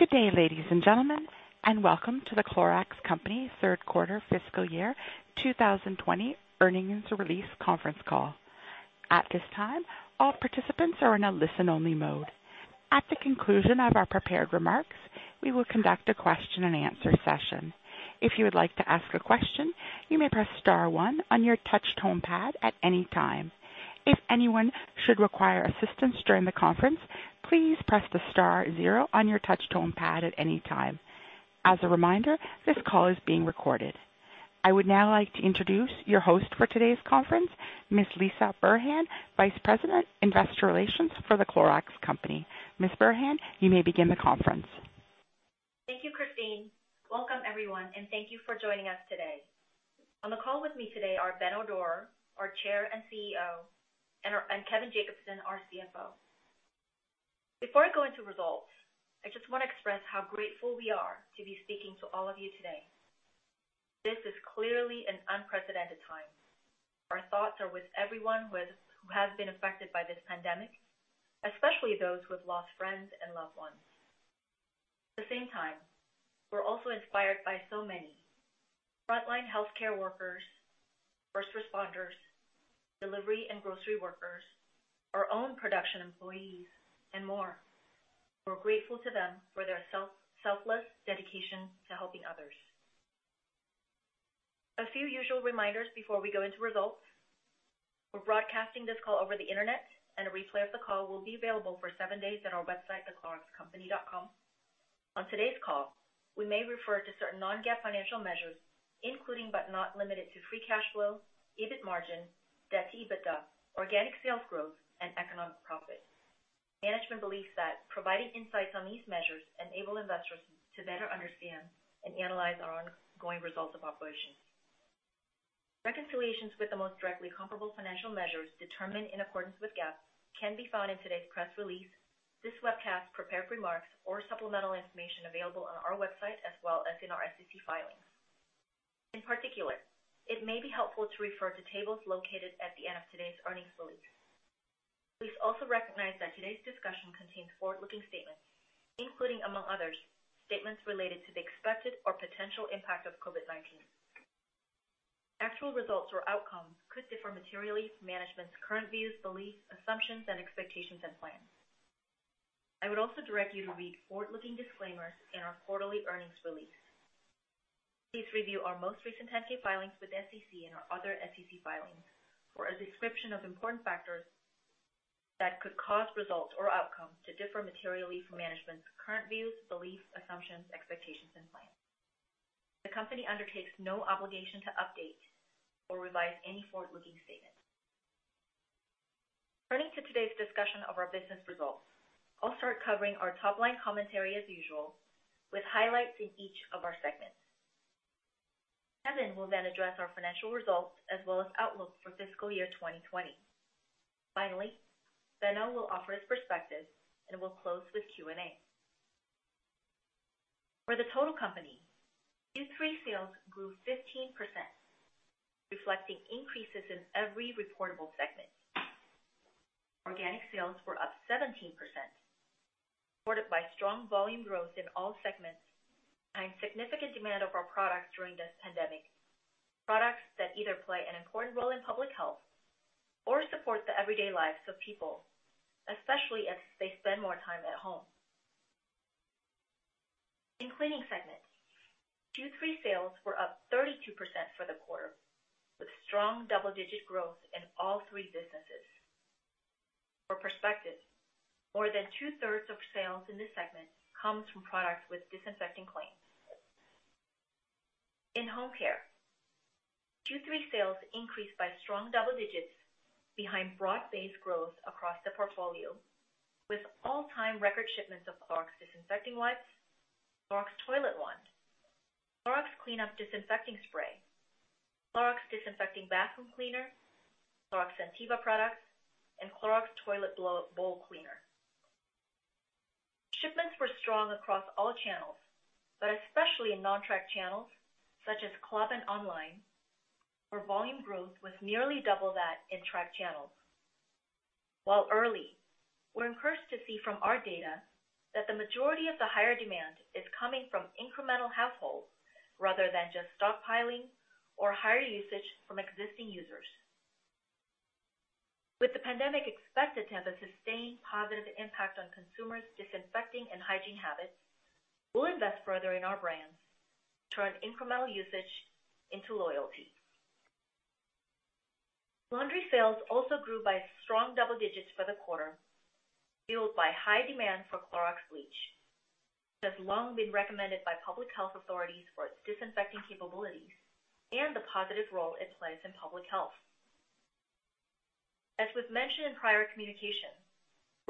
Good day, ladies and gentlemen, and welcome to The Clorox Company third quarter fiscal year 2020 earnings release conference call. At this time, all participants are in a listen-only mode. At the conclusion of our prepared remarks, we will conduct a question-and-answer session. If you would like to ask a question, you may press star one on your touch tone pad at any time. If anyone should require assistance during the conference, please press the star zero on your touch tone pad at any time. As a reminder, this call is being recorded. I would now like to introduce your host for today's conference, Ms. Lisah Burhan, Vice President, Investor Relations for The Clorox Company. Ms. Burhan, you may begin the conference. Thank you, Christine. Welcome, everyone, and thank you for joining us today. On the call with me today are Benno Dorer, our Chair and CEO, and Kevin Jacobsen, our CFO. Before I go into results, I just want to express how grateful we are to be speaking to all of you today. This is clearly an unprecedented time. Our thoughts are with everyone who has been affected by this pandemic, especially those who have lost friends and loved ones. At the same time, we're also inspired by so many frontline healthcare workers, first responders, delivery and grocery workers, our own production employees, and more. We're grateful to them for their selfless dedication to helping others. A few usual reminders before we go into results. We're broadcasting this call over the internet, and a replay of the call will be available for seven days at our website, thecloroxcompany.com. On today's call, we may refer to certain non-GAAP financial measures, including but not limited to free cash flow, EBIT margin, debt to EBITDA, organic sales growth, and economic profit. Management believes that providing insights on these measures enables investors to better understand and analyze our ongoing results of operations. Reconciliations with the most directly comparable financial measures determined in accordance with GAAP can be found in today's press release, this webcast, prepared remarks, or supplemental information available on our website as well as in our SEC filings. In particular, it may be helpful to refer to tables located at the end of today's earnings release. Please also recognize that today's discussion contains forward-looking statements, including, among others, statements related to the expected or potential impact of COVID-19. Actual results or outcomes could differ materially from management's current views, beliefs, assumptions, and expectations and plans. I would also direct you to read forward-looking disclaimers in our quarterly earnings release. Please review our most recent 10-K filings with the SEC and our other SEC filings for a description of important factors that could cause results or outcomes to differ materially from management's current views, beliefs, assumptions, expectations, and plans. The company undertakes no obligation to update or revise any forward-looking statement. Turning to today's discussion of our business results, I'll start covering our top-line commentary as usual, with highlights in each of our segments. Kevin will then address our financial results as well as outlook for fiscal year 2020. Finally, Benno will offer his perspective and will close with Q&A. For the total company, Q3 sales grew 15%, reflecting increases in every reportable segment. Organic sales were up 17%, supported by strong volume growth in all segments behind significant demand of our products during this pandemic, products that either play an important role in public health or support the everyday lives of people, especially as they spend more time at home. In cleaning segments, Q3 sales were up 32% for the quarter, with strong double-digit growth in all three businesses. For perspective, more than two-thirds of sales in this segment comes from products with disinfectant claims. In home care, Q3 sales increased by strong double digits behind broad-based growth across the portfolio, with all-time record shipments of Clorox Disinfecting Wipes, Clorox ToiletWand, Clorox Clean-Up Disinfecting Spray, Clorox Disinfecting Bathroom Cleaner, Clorox Sentiva products, and Clorox Toilet Bowl Cleaner. Shipments were strong across all channels, but especially in non-track channels such as club and online, where volume growth was nearly double that in track channels, while early. We're encouraged to see from our data that the majority of the higher demand is coming from incremental households rather than just stockpiling or higher usage from existing users. With the pandemic expected to have a sustained positive impact on consumers' disinfecting and hygiene habits, we'll invest further in our brands to turn incremental usage into loyalty. Laundry sales also grew by strong double digits for the quarter, fueled by high demand for Clorox Bleach, which has long been recommended by public health authorities for its disinfecting capabilities and the positive role it plays in public health. As we've mentioned in prior communication,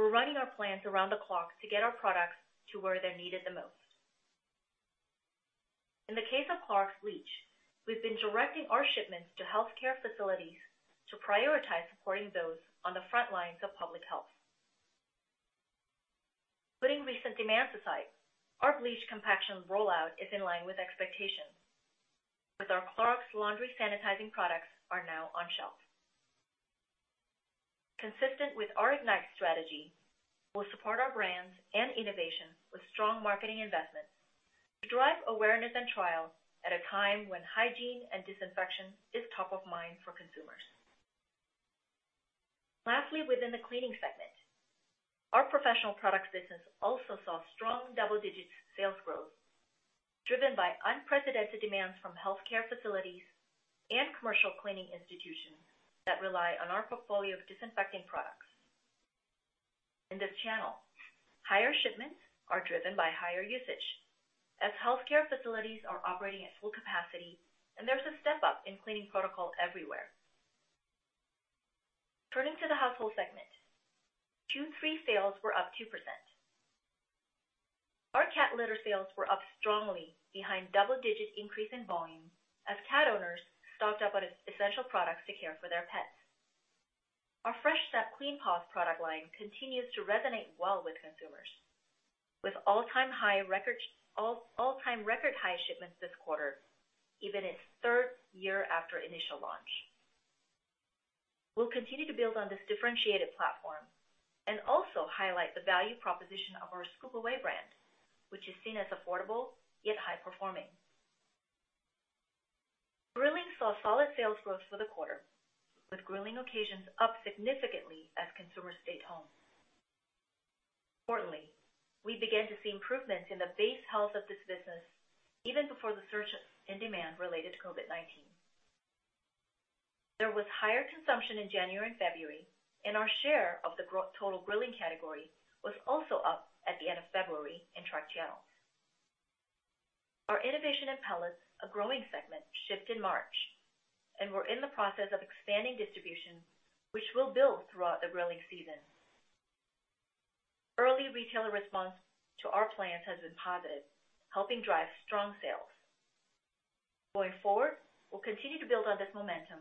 we're running our plans around the clock to get our products to where they're needed the most. In the case of Clorox Bleach, we've been directing our shipments to healthcare facilities to prioritize supporting those on the front lines of public health. Putting recent demands aside, our bleach compaction rollout is in line with expectations, as our Clorox Laundry Sanitizing Products are now on shelf. Consistent with our IGNITE strategy, we'll support our brands and innovation with strong marketing investments to drive awareness and trial at a time when hygiene and disinfection is top of mind for consumers. Lastly, within the cleaning segment, our professional products business also saw strong double-digit sales growth, driven by unprecedented demands from healthcare facilities and commercial cleaning institutions that rely on our portfolio of disinfecting products. In this channel, higher shipments are driven by higher usage, as healthcare facilities are operating at full capacity, and there's a step-up in cleaning protocol everywhere. Turning to the household segment, Q3 sales were up 2%. Our cat litter sales were up strongly behind double-digit increase in volume, as cat owners stocked up on essential products to care for their pets. Our Fresh Step Clean Paws product line continues to resonate well with consumers, with all-time high record high shipments this quarter, even its third year after initial launch. We'll continue to build on this differentiated platform and also highlight the value proposition of our Scoop Away brand, which is seen as affordable yet high-performing. Grilling saw solid sales growth for the quarter, with grilling occasions up significantly as consumers stayed home. Importantly, we began to see improvements in the base health of this business even before the surge in demand related to COVID-19. There was higher consumption in January and February, and our share of the total grilling category was also up at the end of February in track channels. Our innovation in pellets, a growing segment, shipped in March and were in the process of expanding distribution, which we will build throughout the grilling season. Early retailer response to our plans has been positive, helping drive strong sales. Going forward, we will continue to build on this momentum,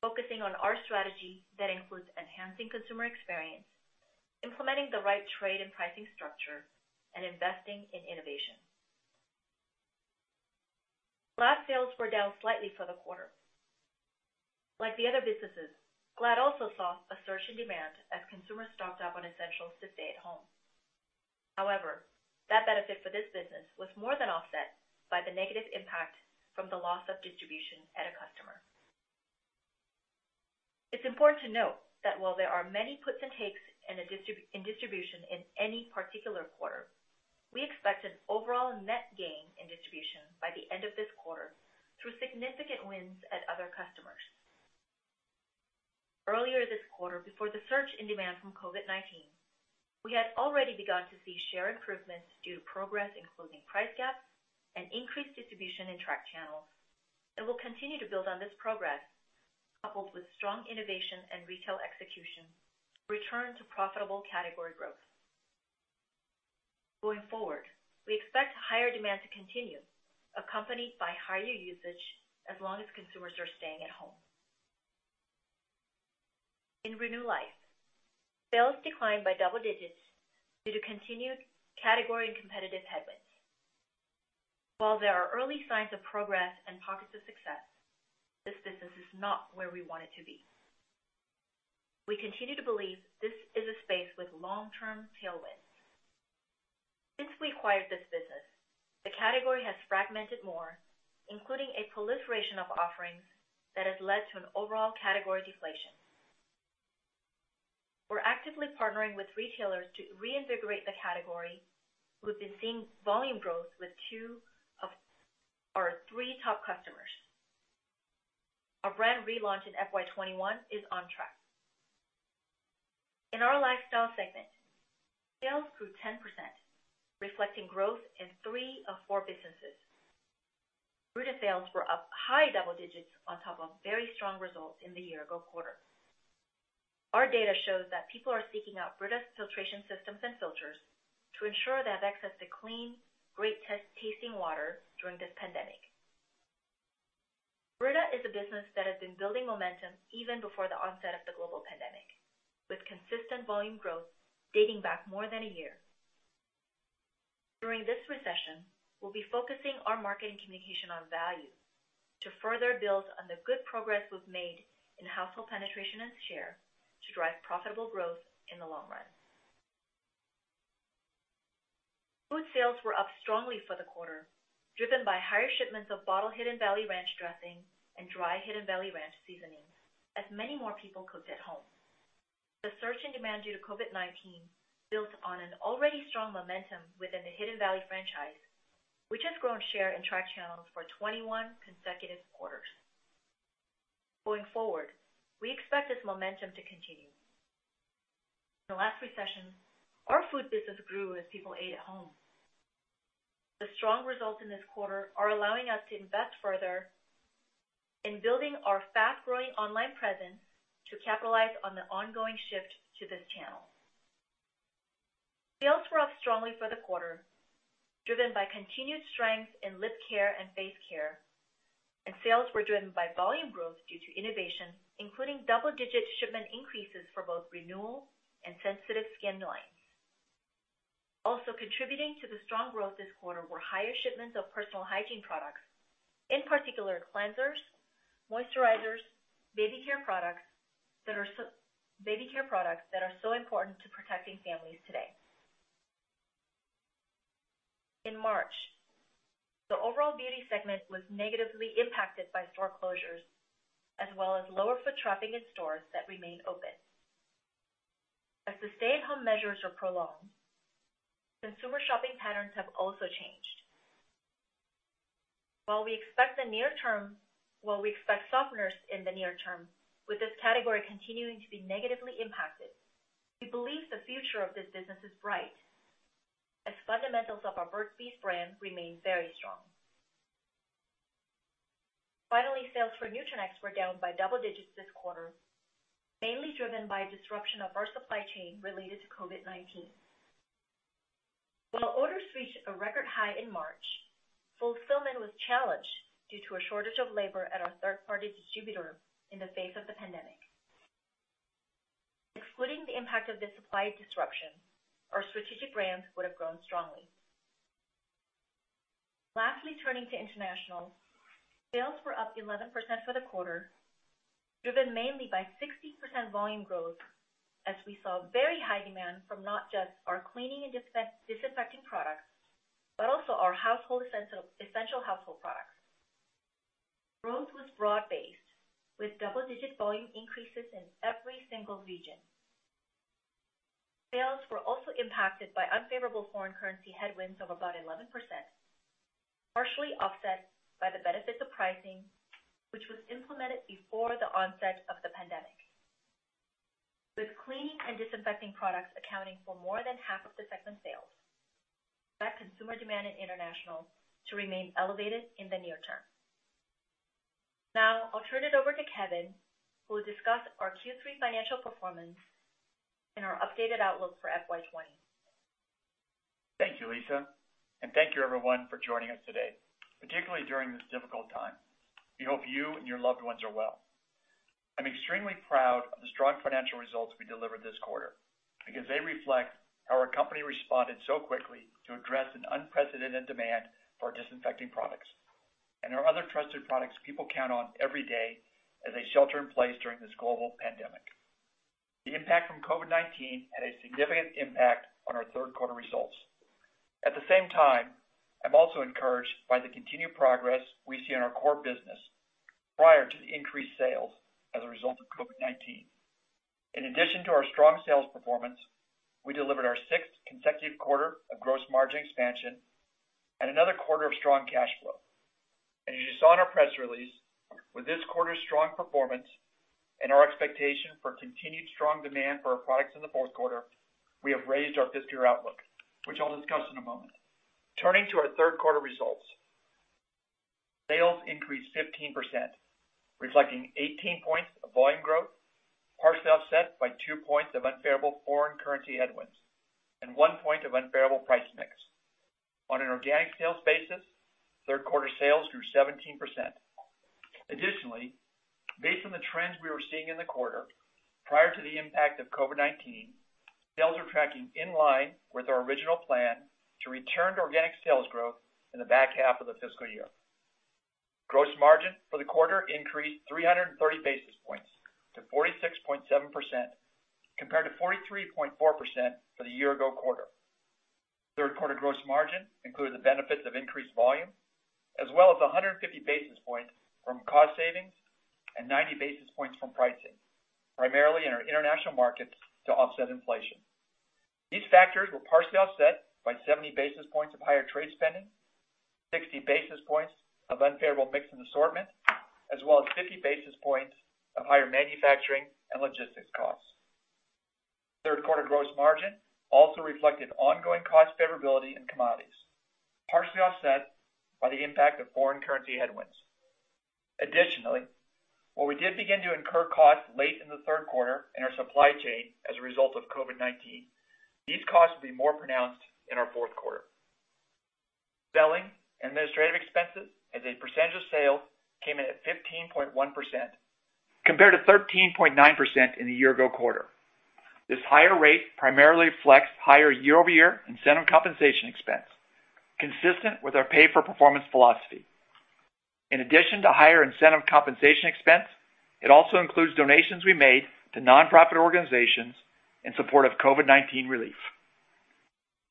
focusing on our strategy that includes enhancing consumer experience, implementing the right trade and pricing structure, and investing in innovation. Glad sales were down slightly for the quarter. Like the other businesses, Glad also saw a surge in demand as consumers stocked up on essentials to stay at home. However, that benefit for this business was more than offset by the negative impact from the loss of distribution at a customer. It's important to note that while there are many puts and takes in distribution in any particular quarter, we expect an overall net gain in distribution by the end of this quarter through significant wins at other customers. Earlier this quarter, before the surge in demand from COVID-19, we had already begun to see share improvements due to progress, including price gaps and increased distribution in track channels, and we'll continue to build on this progress, coupled with strong innovation and retail execution, return to profitable category growth. Going forward, we expect higher demand to continue, accompanied by higher usage as long as consumers are staying at home. In Renew Life, sales declined by double digits due to continued category and competitive headwinds. While there are early signs of progress and pockets of success, this business is not where we want it to be. We continue to believe this is a space with long-term tailwinds. Since we acquired this business, the category has fragmented more, including a proliferation of offerings that has led to an overall category deflation. We are actively partnering with retailers to reinvigorate the category. We have been seeing volume growth with two of our three top customers. Our brand relaunch in FY 2021 is on track. In our lifestyle segment, sales grew 10%, reflecting growth in three of four businesses. Brita sales were up high double digits on top of very strong results in the year-ago quarter. Our data shows that people are seeking out Brita Filtration Systems and Filters to ensure they have access to clean, great-tasting water during this pandemic. Brita is a business that has been building momentum even before the onset of the global pandemic, with consistent volume growth dating back more than a year. During this recession, we'll be focusing our marketing communication on value to further build on the good progress we've made in household penetration and share to drive profitable growth in the long run. Food sales were up strongly for the quarter, driven by higher shipments of bottled Hidden Valley Ranch dressing and dry Hidden Valley Ranch seasonings, as many more people cooked at home. The surge in demand due to COVID-19 built on an already strong momentum within the Hidden Valley franchise, which has grown share in track channels for 21 consecutive quarters. Going forward, we expect this momentum to continue. In the last recession, our food business grew as people ate at home. The strong results in this quarter are allowing us to invest further in building our fast-growing online presence to capitalize on the ongoing shift to this channel. Sales were up strongly for the quarter, driven by continued strength in lip care and face care, and sales were driven by volume growth due to innovation, including double-digit shipment increases for both Renewal and Sensitive Skin lines. Also contributing to the strong growth this quarter were higher shipments of personal hygiene products, in particular, cleansers, moisturizers, baby care products that are so important to protecting families today. In March, the overall beauty segment was negatively impacted by store closures, as well as lower foot traffic in stores that remained open. As the stay-at-home measures are prolonged, consumer shopping patterns have also changed. While we expect softness in the near term, with this category continuing to be negatively impacted, we believe the future of this business is bright, as fundamentals of our Burt's Bees brand remain very strong. Finally, sales for Nutranext were down by double digits this quarter, mainly driven by disruption of our supply chain related to COVID-19. While orders reached a record high in March, fulfillment was challenged due to a shortage of labor at our third-party distributor in the face of the pandemic. Excluding the impact of this supply disruption, our strategic brands would have grown strongly. Lastly, turning to international, sales were up 11% for the quarter, driven mainly by 60% volume growth, as we saw very high demand from not just our cleaning and disinfecting products, but also our essential household products. Growth was broad-based, with double-digit volume increases in every single region. Sales were also impacted by unfavorable foreign currency headwinds of about 11%, partially offset by the benefits of pricing, which was implemented before the onset of the pandemic, with cleaning and disinfecting products accounting for more than half of the segment sales. That consumer demand in international to remain elevated in the near term. Now, I'll turn it over to Kevin, who will discuss our Q3 financial performance and our updated outlook for FY 2020. Thank you, Lisa, and thank you, everyone, for joining us today, particularly during this difficult time. We hope you and your loved ones are well. I'm extremely proud of the strong financial results we delivered this quarter because they reflect how our company responded so quickly to address an unprecedented demand for our disinfecting products and our other trusted products people count on every day as they shelter in place during this global pandemic. The impact from COVID-19 had a significant impact on our third-quarter results. At the same time, I'm also encouraged by the continued progress we see in our core business prior to the increased sales as a result of COVID-19. In addition to our strong sales performance, we delivered our sixth consecutive quarter of gross margin expansion and another quarter of strong cash flow. As you saw in our press release, with this quarter's strong performance and our expectation for continued strong demand for our products in the fourth quarter, we have raised our fiscal outlook, which I'll discuss in a moment. Turning to our third-quarter results, sales increased 15%, reflecting 18 points of volume growth, partially offset by two points of unfavorable foreign currency headwinds and one point of unfavorable price mix. On an organic sales basis, third-quarter sales grew 17%. Additionally, based on the trends we were seeing in the quarter prior to the impact of COVID-19, sales are tracking in line with our original plan to return to organic sales growth in the back half of the fiscal year. Gross margin for the quarter increased 330 basis points to 46.7%, compared to 43.4% for the year-ago quarter. Third-quarter gross margin included the benefits of increased volume, as well as 150 basis points from cost savings and 90 basis points from pricing, primarily in our international markets to offset inflation. These factors were partially offset by 70 basis points of higher trade spending, 60 basis points of unfavorable mix and assortment, as well as 50 basis points of higher manufacturing and logistics costs. Third-quarter gross margin also reflected ongoing cost favorability in commodities, partially offset by the impact of foreign currency headwinds. Additionally, while we did begin to incur costs late in the third quarter in our supply chain as a result of COVID-19, these costs will be more pronounced in our fourth quarter. Selling and administrative expenses, as a percentage of sales, came in at 15.1%, compared to 13.9% in the year-ago quarter. This higher rate primarily reflects higher year-over-year incentive compensation expense, consistent with our pay-for-performance philosophy. In addition to higher incentive compensation expense, it also includes donations we made to nonprofit organizations in support of COVID-19 relief.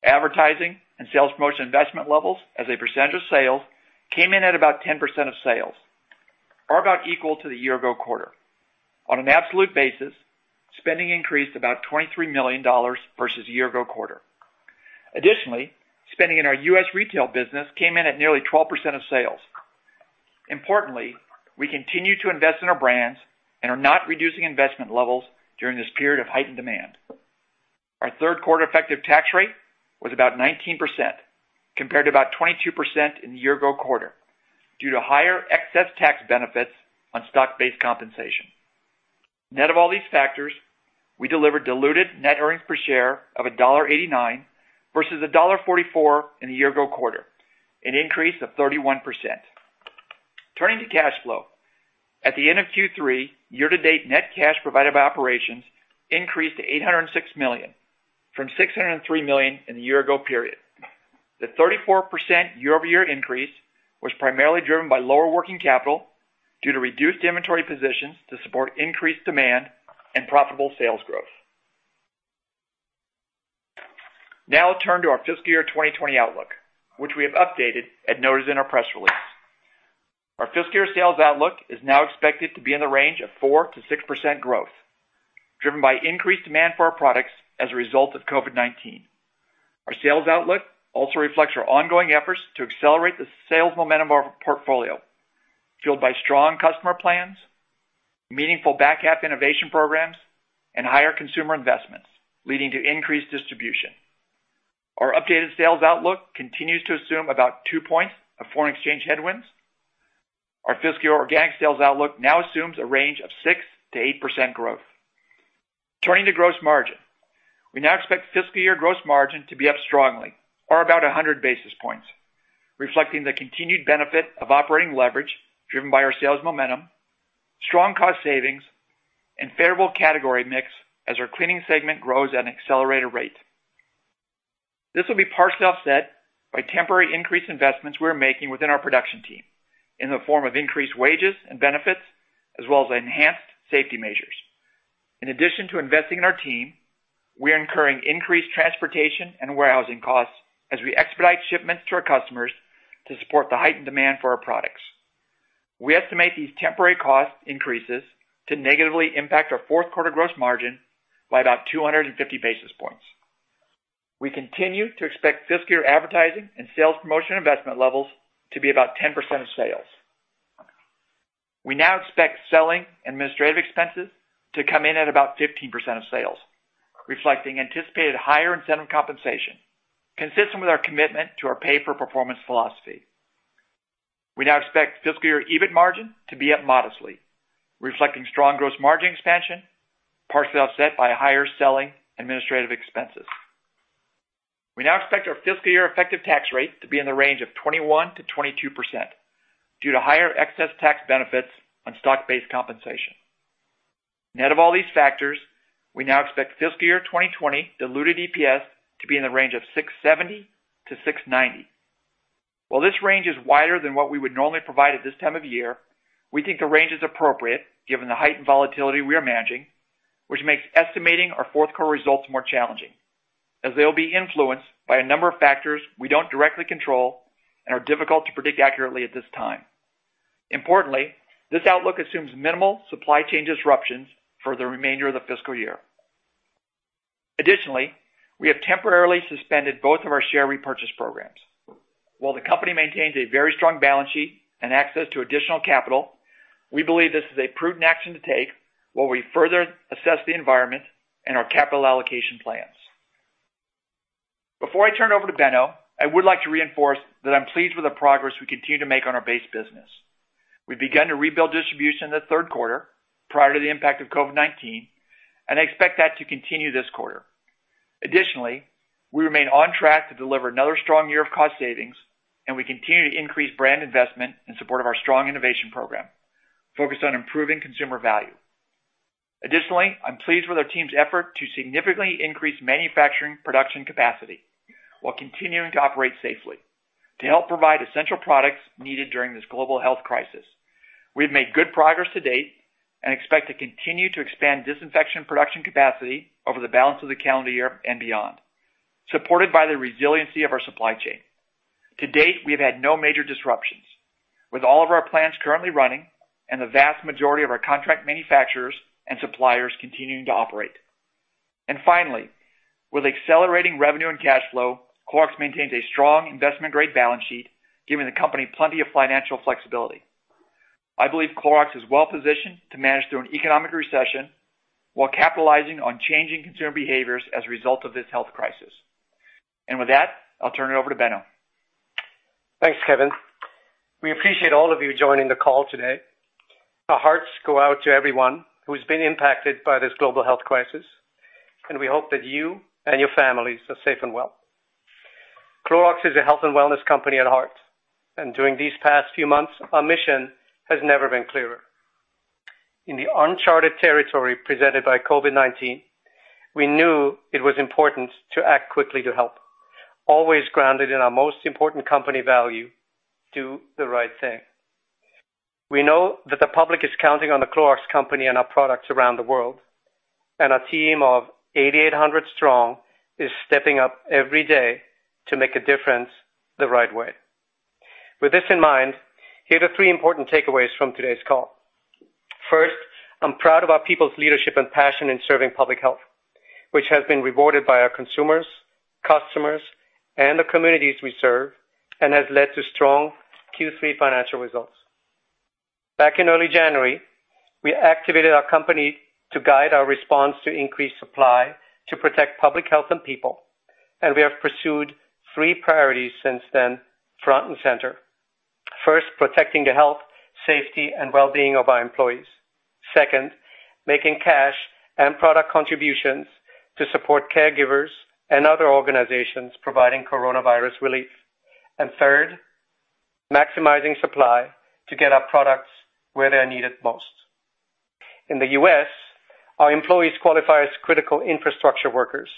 Advertising and sales promotion investment levels, as a percentage of sales, came in at about 10% of sales, or about equal to the year-ago quarter. On an absolute basis, spending increased about $23 million versus the year-ago quarter. Additionally, spending in our U.S. retail business came in at nearly 12% of sales. Importantly, we continue to invest in our brands and are not reducing investment levels during this period of heightened demand. Our third-quarter effective tax rate was about 19%, compared to about 22% in the year-ago quarter, due to higher excess tax benefits on stock-based compensation. Net of all these factors, we delivered diluted net earnings per share of $1.89 versus $1.44 in the year-ago quarter, an increase of 31%. Turning to cash flow, at the end of Q3, year-to-date net cash provided by operations increased to $806 million, from $603 million in the year-ago period. The 34% year-over-year increase was primarily driven by lower working capital due to reduced inventory positions to support increased demand and profitable sales growth. Now, I'll turn to our fiscal year 2020 outlook, which we have updated at notice in our press release. Our fiscal year sales outlook is now expected to be in the range of 4%-6% growth, driven by increased demand for our products as a result of COVID-19. Our sales outlook also reflects our ongoing efforts to accelerate the sales momentum of our portfolio, fueled by strong customer plans, meaningful back-half innovation programs, and higher consumer investments, leading to increased distribution. Our updated sales outlook continues to assume about two points of foreign exchange headwinds. Our fiscal year organic sales outlook now assumes a range of 6%-8% growth. Turning to gross margin, we now expect fiscal year gross margin to be up strongly, or about 100 basis points, reflecting the continued benefit of operating leverage driven by our sales momentum, strong cost savings, and favorable category mix as our cleaning segment grows at an accelerated rate. This will be partially offset by temporary increased investments we are making within our production team in the form of increased wages and benefits, as well as enhanced safety measures. In addition to investing in our team, we are incurring increased transportation and warehousing costs as we expedite shipments to our customers to support the heightened demand for our products. We estimate these temporary cost increases to negatively impact our fourth-quarter gross margin by about 250 basis points. We continue to expect fiscal year advertising and sales promotion investment levels to be about 10% of sales. We now expect selling and administrative expenses to come in at about 15% of sales, reflecting anticipated higher incentive compensation, consistent with our commitment to our pay-for-performance philosophy. We now expect fiscal year EBIT margin to be up modestly, reflecting strong gross margin expansion, partially offset by higher selling and administrative expenses. We now expect our fiscal year effective tax rate to be in the range of 21%-22% due to higher excess tax benefits on stock-based compensation. Net of all these factors, we now expect fiscal year 2020 diluted EPS to be in the range of $6.70-$6.90. While this range is wider than what we would normally provide at this time of year, we think the range is appropriate given the heightened volatility we are managing, which makes estimating our fourth-quarter results more challenging, as they will be influenced by a number of factors we do not directly control and are difficult to predict accurately at this time. Importantly, this outlook assumes minimal supply chain disruptions for the remainder of the fiscal year. Additionally, we have temporarily suspended both of our share repurchase programs. While the company maintains a very strong balance sheet and access to additional capital, we believe this is a prudent action to take while we further assess the environment and our capital allocation plans. Before I turn it over to Benno, I would like to reinforce that I'm pleased with the progress we continue to make on our base business. We've begun to rebuild distribution in the third quarter prior to the impact of COVID-19, and I expect that to continue this quarter. Additionally, we remain on track to deliver another strong year of cost savings, and we continue to increase brand investment in support of our strong innovation program focused on improving consumer value. Additionally, I'm pleased with our team's effort to significantly increase manufacturing production capacity while continuing to operate safely to help provide essential products needed during this global health crisis. We have made good progress to date and expect to continue to expand disinfection production capacity over the balance of the calendar year and beyond, supported by the resiliency of our supply chain. To date, we have had no major disruptions, with all of our plants currently running and the vast majority of our contract manufacturers and suppliers continuing to operate. Finally, with accelerating revenue and cash flow, Clorox maintains a strong investment-grade balance sheet, giving the company plenty of financial flexibility. I believe Clorox is well-positioned to manage through an economic recession while capitalizing on changing consumer behaviors as a result of this health crisis. With that, I'll turn it over to Benno. Thanks, Kevin. We appreciate all of you joining the call today. Our hearts go out to everyone who has been impacted by this global health crisis, and we hope that you and your families are safe and well. Clorox is a health and wellness company at heart, and during these past few months, our mission has never been clearer. In the uncharted territory presented by COVID-19, we knew it was important to act quickly to help, always grounded in our most important company value: do the right thing. We know that the public is counting on The Clorox Company and our products around the world, and our team of 8,800 strong is stepping up every day to make a difference the right way. With this in mind, here are the three important takeaways from today's call. First, I'm proud of our people's leadership and passion in serving public health, which has been rewarded by our consumers, customers, and the communities we serve, and has led to strong Q3 financial results. Back in early January, we activated our company to guide our response to increased supply to protect public health and people, and we have pursued three priorities since then, front and center. First, protecting the health, safety, and well-being of our employees. Second, making cash and product contributions to support caregivers and other organizations providing coronavirus relief. Third, maximizing supply to get our products where they're needed most. In the U.S., our employees qualify as critical infrastructure workers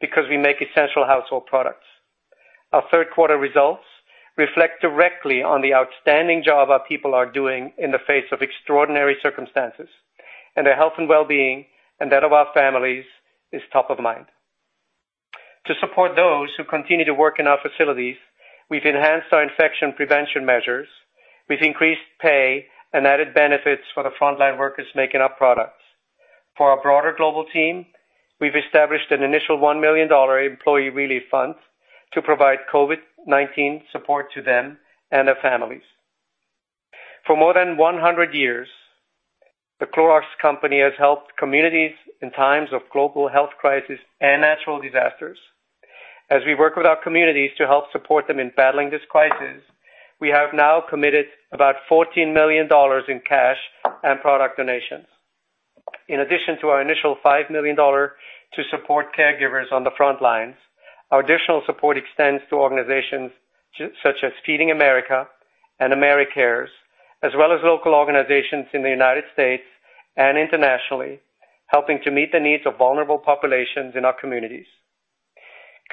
because we make essential household products. Our third-quarter results reflect directly on the outstanding job our people are doing in the face of extraordinary circumstances, and their health and well-being and that of our families is top of mind. To support those who continue to work in our facilities, we have enhanced our infection prevention measures. We have increased pay and added benefits for the frontline workers making our products. For our broader global team, we have established an initial $1 million employee relief fund to provide COVID-19 support to them and their families. For more than 100 years, The Clorox Company has helped communities in times of global health crises and natural disasters. As we work with our communities to help support them in battling this crisis, we have now committed about $14 million in cash and product donations. In addition to our initial $5 million to support caregivers on the frontlines, our additional support extends to organizations such as Feeding America and Americares, as well as local organizations in the United States and internationally, helping to meet the needs of vulnerable populations in our communities.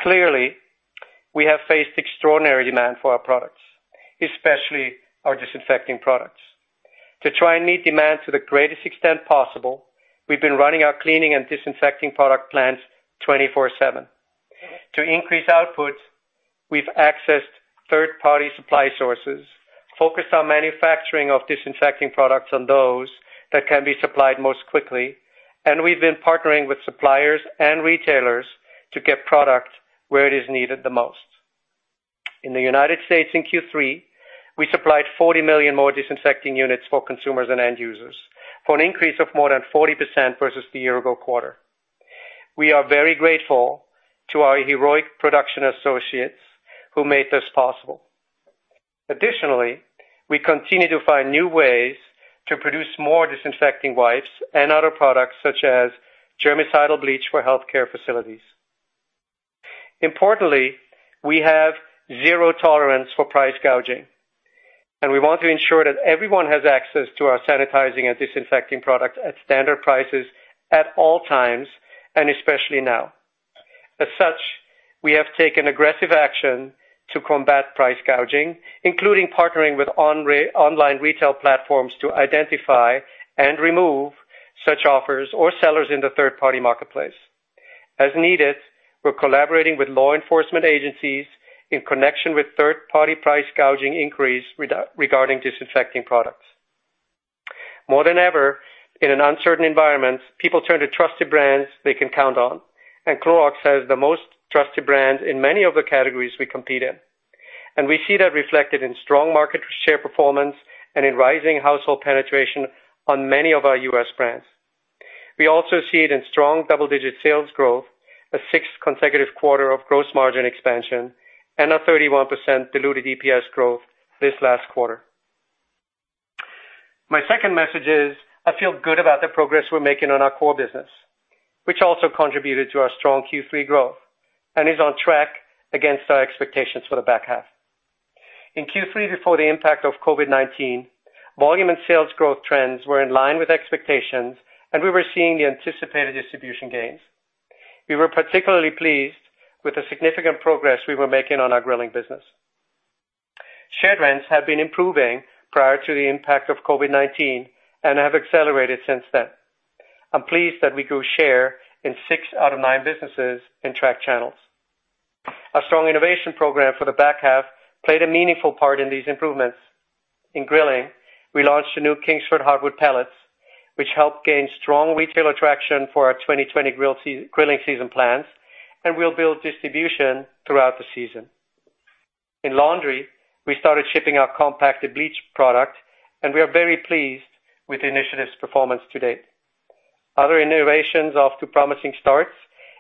Clearly, we have faced extraordinary demand for our products, especially our disinfecting products. To try and meet demand to the greatest extent possible, we've been running our cleaning and disinfecting product plants 24/7. To increase output, we've accessed third-party supply sources, focused on manufacturing of disinfecting products on those that can be supplied most quickly, and we've been partnering with suppliers and retailers to get product where it is needed the most. In the United States, in Q3, we supplied 40 million more disinfecting units for consumers and end users, for an increase of more than 40% versus the year-ago quarter. We are very grateful to our heroic production associates who made this possible. Additionally, we continue to find new ways to produce more disinfecting wipes and other products such as germicidal bleach for healthcare facilities. Importantly, we have zero tolerance for price gouging, and we want to ensure that everyone has access to our sanitizing and disinfecting products at standard prices at all times, and especially now. As such, we have taken aggressive action to combat price gouging, including partnering with online retail platforms to identify and remove such offers or sellers in the third-party marketplace. As needed, we're collaborating with law enforcement agencies in connection with third-party price gouging inquiries regarding disinfecting products. More than ever, in an uncertain environment, people turn to trusted brands they can count on, and Clorox has the most trusted brands in many of the categories we compete in. We see that reflected in strong market share performance and in rising household penetration on many of our U.S. brands. We also see it in strong double-digit sales growth, a sixth consecutive quarter of gross margin expansion, and a 31% diluted EPS growth this last quarter. My second message is I feel good about the progress we're making on our core business, which also contributed to our strong Q3 growth and is on track against our expectations for the back half. In Q3, before the impact of COVID-19, volume and sales growth trends were in line with expectations, and we were seeing the anticipated distribution gains. We were particularly pleased with the significant progress we were making on our growing business. Share trends have been improving prior to the impact of COVID-19 and have accelerated since then. I'm pleased that we grew share in six out of nine businesses in track channels. Our strong innovation program for the back half played a meaningful part in these improvements. In grilling, we launched a new Kingsford Hardwood Pellets, which helped gain strong retail attraction for our 2020 grilling season plans, and we'll build distribution throughout the season. In laundry, we started shipping our compact bleach product, and we are very pleased with the initiative's performance to date. Other innovations off to promising starts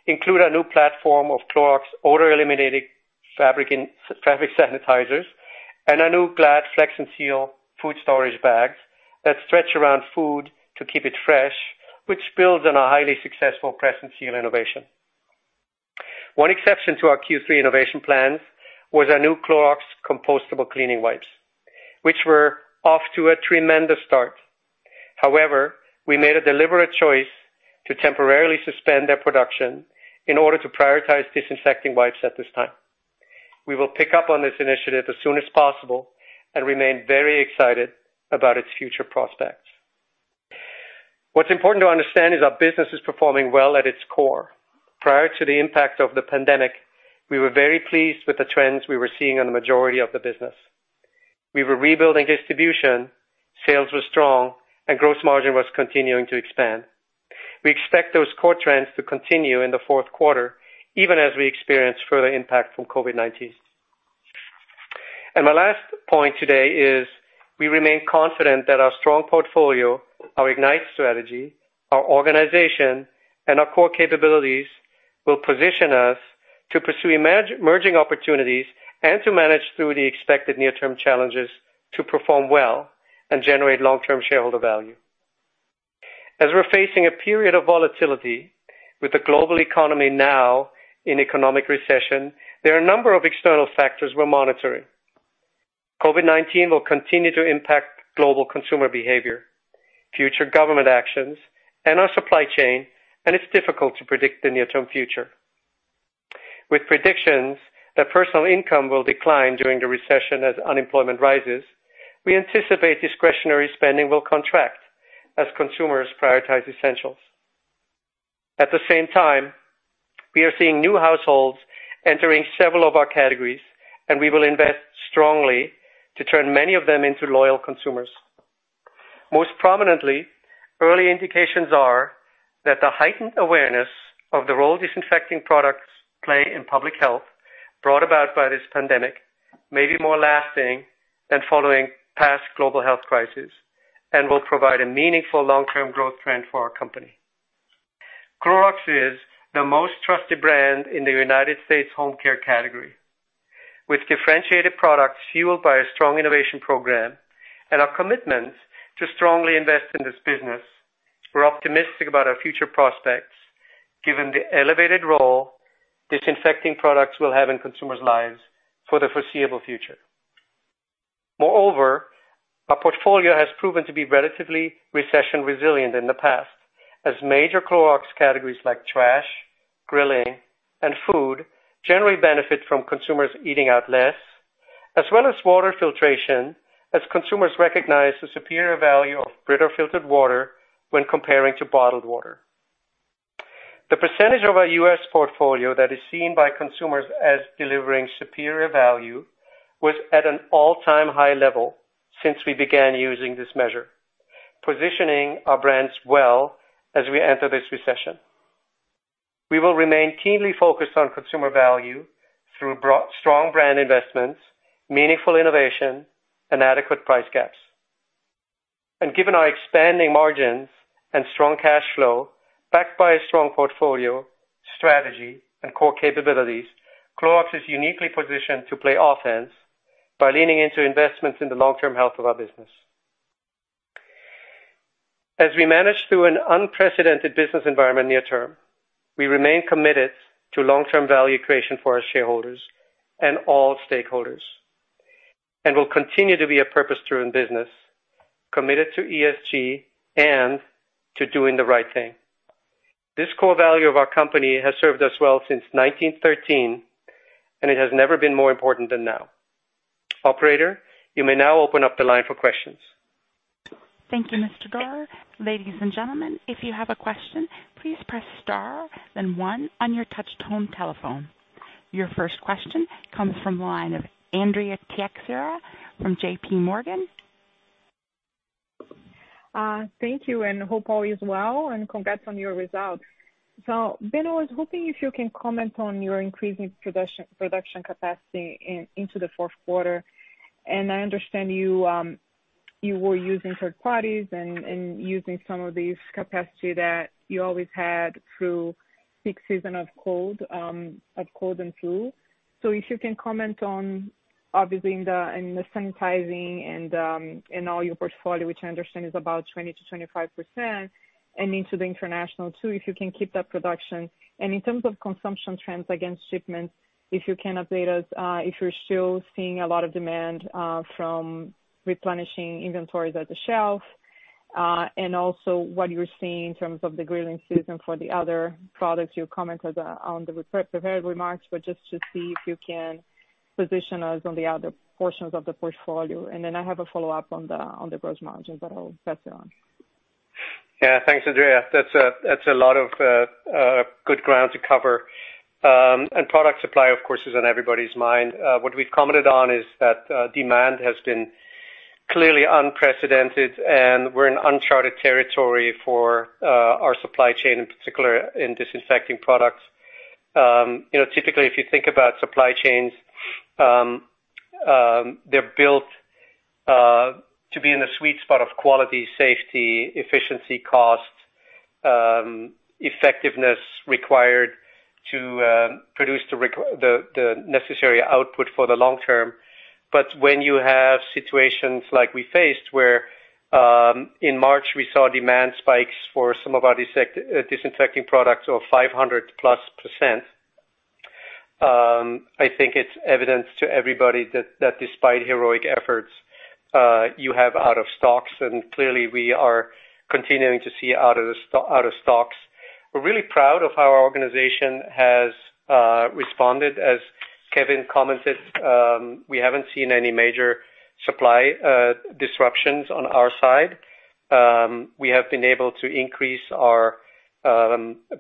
include a new platform of Clorox odor-eliminating fabric sanitizers and a new Glad Flex'n Seal food storage bags that stretch around food to keep it fresh, which builds on a highly successful Crescent Seal innovation. One exception to our Q3 innovation plans was our new Clorox compostable cleaning wipes, which were off to a tremendous start. However, we made a deliberate choice to temporarily suspend their production in order to prioritize disinfecting wipes at this time. We will pick up on this initiative as soon as possible and remain very excited about its future prospects. What's important to understand is our business is performing well at its core. Prior to the impact of the pandemic, we were very pleased with the trends we were seeing on the majority of the business. We were rebuilding distribution, sales were strong, and gross margin was continuing to expand. We expect those core trends to continue in the fourth quarter, even as we experience further impact from COVID-19. My last point today is we remain confident that our strong portfolio, our IGNITE Strategy, our organization, and our core capabilities will position us to pursue emerging opportunities and to manage through the expected near-term challenges to perform well and generate long-term shareholder value. As we're facing a period of volatility with the global economy now in economic recession, there are a number of external factors we're monitoring. COVID-19 will continue to impact global consumer behavior, future government actions, and our supply chain, and it's difficult to predict the near-term future. With predictions that personal income will decline during the recession as unemployment rises, we anticipate discretionary spending will contract as consumers prioritize essentials. At the same time, we are seeing new households entering several of our categories, and we will invest strongly to turn many of them into loyal consumers. Most prominently, early indications are that the heightened awareness of the role disinfecting products play in public health brought about by this pandemic may be more lasting than following past global health crises and will provide a meaningful long-term growth trend for our company. Clorox is the most trusted brand in the United States home care category. With differentiated products fueled by a strong innovation program and our commitment to strongly invest in this business, we're optimistic about our future prospects given the elevated role disinfecting products will have in consumers' lives for the foreseeable future. Moreover, our portfolio has proven to be relatively recession resilient in the past, as major Clorox categories like trash, grilling, and food generally benefit from consumers eating out less, as well as water filtration, as consumers recognize the superior value of Brita filtered water when comparing to bottled water. The percentage of our U.S. Portfolio that is seen by consumers as delivering superior value was at an all-time high level since we began using this measure, positioning our brands well as we enter this recession. We will remain keenly focused on consumer value through strong brand investments, meaningful innovation, and adequate price gaps. Given our expanding margins and strong cash flow backed by a strong portfolio strategy and core capabilities, Clorox is uniquely positioned to play offense by leaning into investments in the long-term health of our business. As we manage through an unprecedented business environment near term, we remain committed to long-term value creation for our shareholders and all stakeholders, and we'll continue to be a purpose-driven business committed to ESG and to doing the right thing. This core value of our company has served us well since 1913, and it has never been more important than now. Operator, you may now open up the line for questions. Thank you, Mr. Dorer. Ladies and gentlemen, if you have a question, please press star, then one on your touch tone telephone. Your first question comes from the line of Andrea Teixeira from JPMorgan. Thank you, and hope all is well, and congrats on your result. Benno, I was hoping if you can comment on your increasing production capacity into the fourth quarter. I understand you were using third parties and using some of this capacity that you always had through peak season of cold and flu. If you can comment on, obviously, in the sanitizing and all your portfolio, which I understand is about 20%-25%, and into the international too, if you can keep that production. In terms of consumption trends against shipments, if you can update us if you're still seeing a lot of demand from replenishing inventories at the shelf, and also what you're seeing in terms of the grilling season for the other products you commented on the prepared remarks, just to see if you can position us on the other portions of the portfolio. I have a follow-up on the gross margin, but I'll pass it on. Yeah, thanks, Andrea. That's a lot of good ground to cover. Product supply, of course, is on everybody's mind. What we've commented on is that demand has been clearly unprecedented, and we're in uncharted territory for our supply chain, in particular in disinfecting products. Typically, if you think about supply chains, they're built to be in the sweet spot of quality, safety, efficiency, cost, effectiveness required to produce the necessary output for the long term. When you have situations like we faced where in March we saw demand spikes for some of our disinfecting products of 500%+, I think it's evident to everybody that despite heroic efforts, you have out-of-stocks, and clearly we are continuing to see out-of-stocks. We're really proud of how our organization has responded. As Kevin commented, we haven't seen any major supply disruptions on our side. We have been able to increase our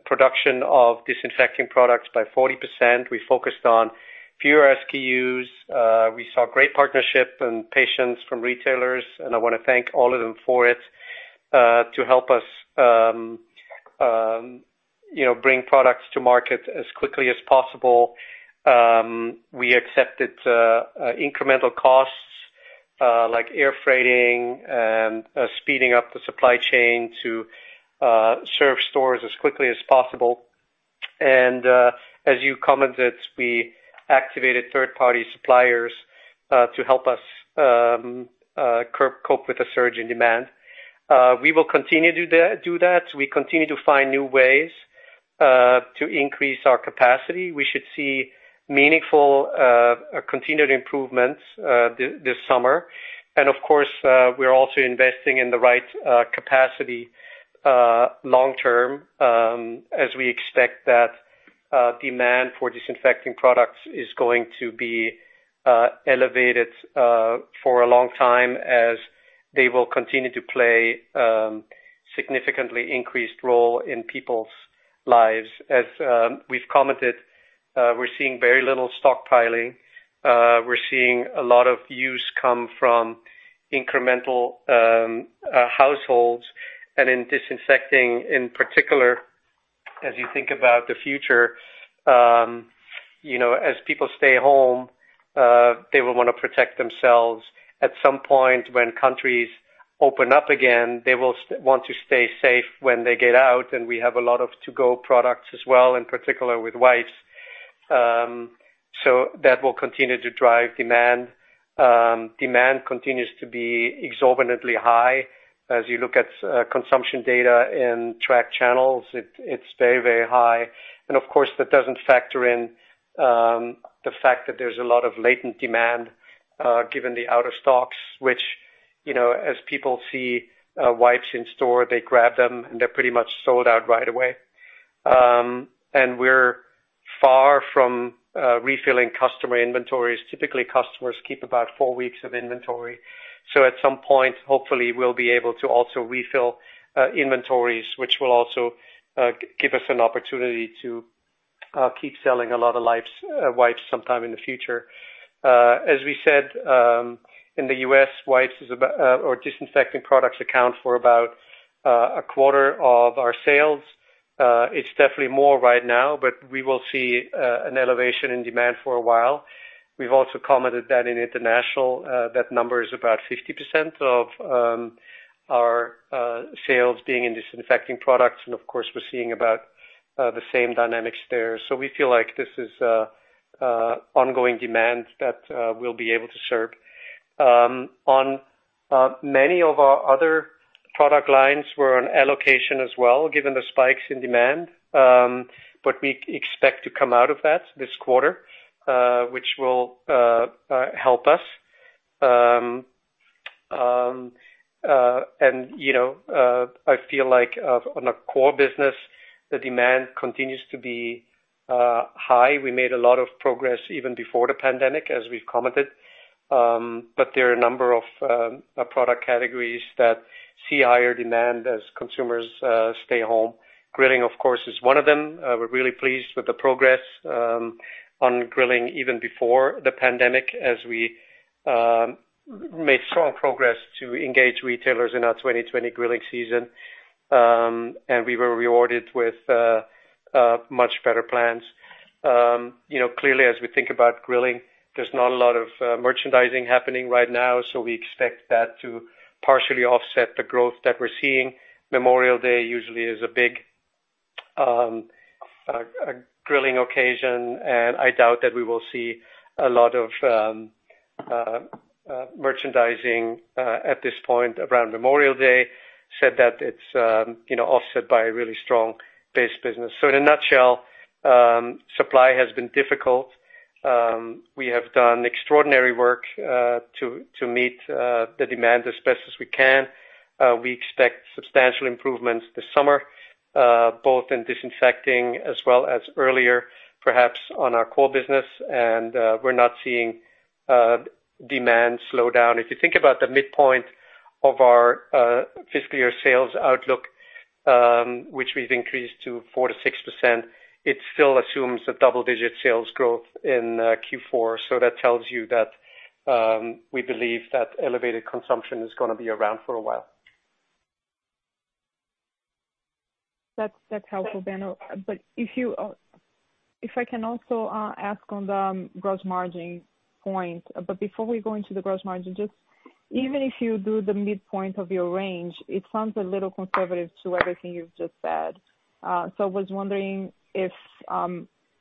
production of disinfecting products by 40%. We focused on fewer SKUs. We saw great partnership and patience from retailers, and I want to thank all of them for it to help us bring products to market as quickly as possible. We accepted incremental costs like air freighting and speeding up the supply chain to serve stores as quickly as possible. As you commented, we activated third-party suppliers to help us cope with the surge in demand. We will continue to do that. We continue to find new ways to increase our capacity. We should see meaningful continued improvements this summer. Of course, we're also investing in the right capacity long term as we expect that demand for disinfecting products is going to be elevated for a long time as they will continue to play a significantly increased role in people's lives. As we've commented, we're seeing very little stockpiling. We're seeing a lot of use come from incremental households and in disinfecting in particular. As you think about the future, as people stay home, they will want to protect themselves. At some point when countries open up again, they will want to stay safe when they get out. We have a lot of to-go products as well, in particular with wipes. That will continue to drive demand. Demand continues to be exorbitantly high. As you look at consumption data and track channels, it is very, very high. Of course, that does not factor in the fact that there is a lot of latent demand given the out-of-stocks, which, as people see wipes in store, they grab them and they are pretty much sold out right away. We are far from refilling customer inventories. Typically, customers keep about four weeks of inventory. At some point, hopefully, we will be able to also refill inventories, which will also give us an opportunity to keep selling a lot of wipes sometime in the future. As we said, in the U.S., wipes or disinfecting products account for about a quarter of our sales. It's definitely more right now, but we will see an elevation in demand for a while. We've also commented that in international, that number is about 50% of our sales being in disinfecting products. Of course, we're seeing about the same dynamics there. We feel like this is ongoing demand that we'll be able to serve. On many of our other product lines, we're on allocation as well given the spikes in demand, but we expect to come out of that this quarter, which will help us. I feel like on a core business, the demand continues to be high. We made a lot of progress even before the pandemic, as we've commented. There are a number of product categories that see higher demand as consumers stay home. Grilling, of course, is one of them. We're really pleased with the progress on grilling even before the pandemic as we made strong progress to engage retailers in our 2020 grilling season. We were rewarded with much better plans. Clearly, as we think about grilling, there's not a lot of merchandising happening right now, so we expect that to partially offset the growth that we're seeing. Memorial Day usually is a big grilling occasion, and I doubt that we will see a lot of merchandising at this point around Memorial Day, said that it's offset by a really strong base business. In a nutshell, supply has been difficult. We have done extraordinary work to meet the demand as best as we can. We expect substantial improvements this summer, both in disinfecting as well as earlier, perhaps on our core business. We're not seeing demand slow down. If you think about the midpoint of our fiscal year sales outlook, which we've increased to 4%-6%, it still assumes a double-digit sales growth in Q4. That tells you that we believe that elevated consumption is going to be around for a while. That's helpful, Benno. If I can also ask on the gross margin point, before we go into the gross margin, just even if you do the midpoint of your range, it sounds a little conservative to everything you've just said. I was wondering if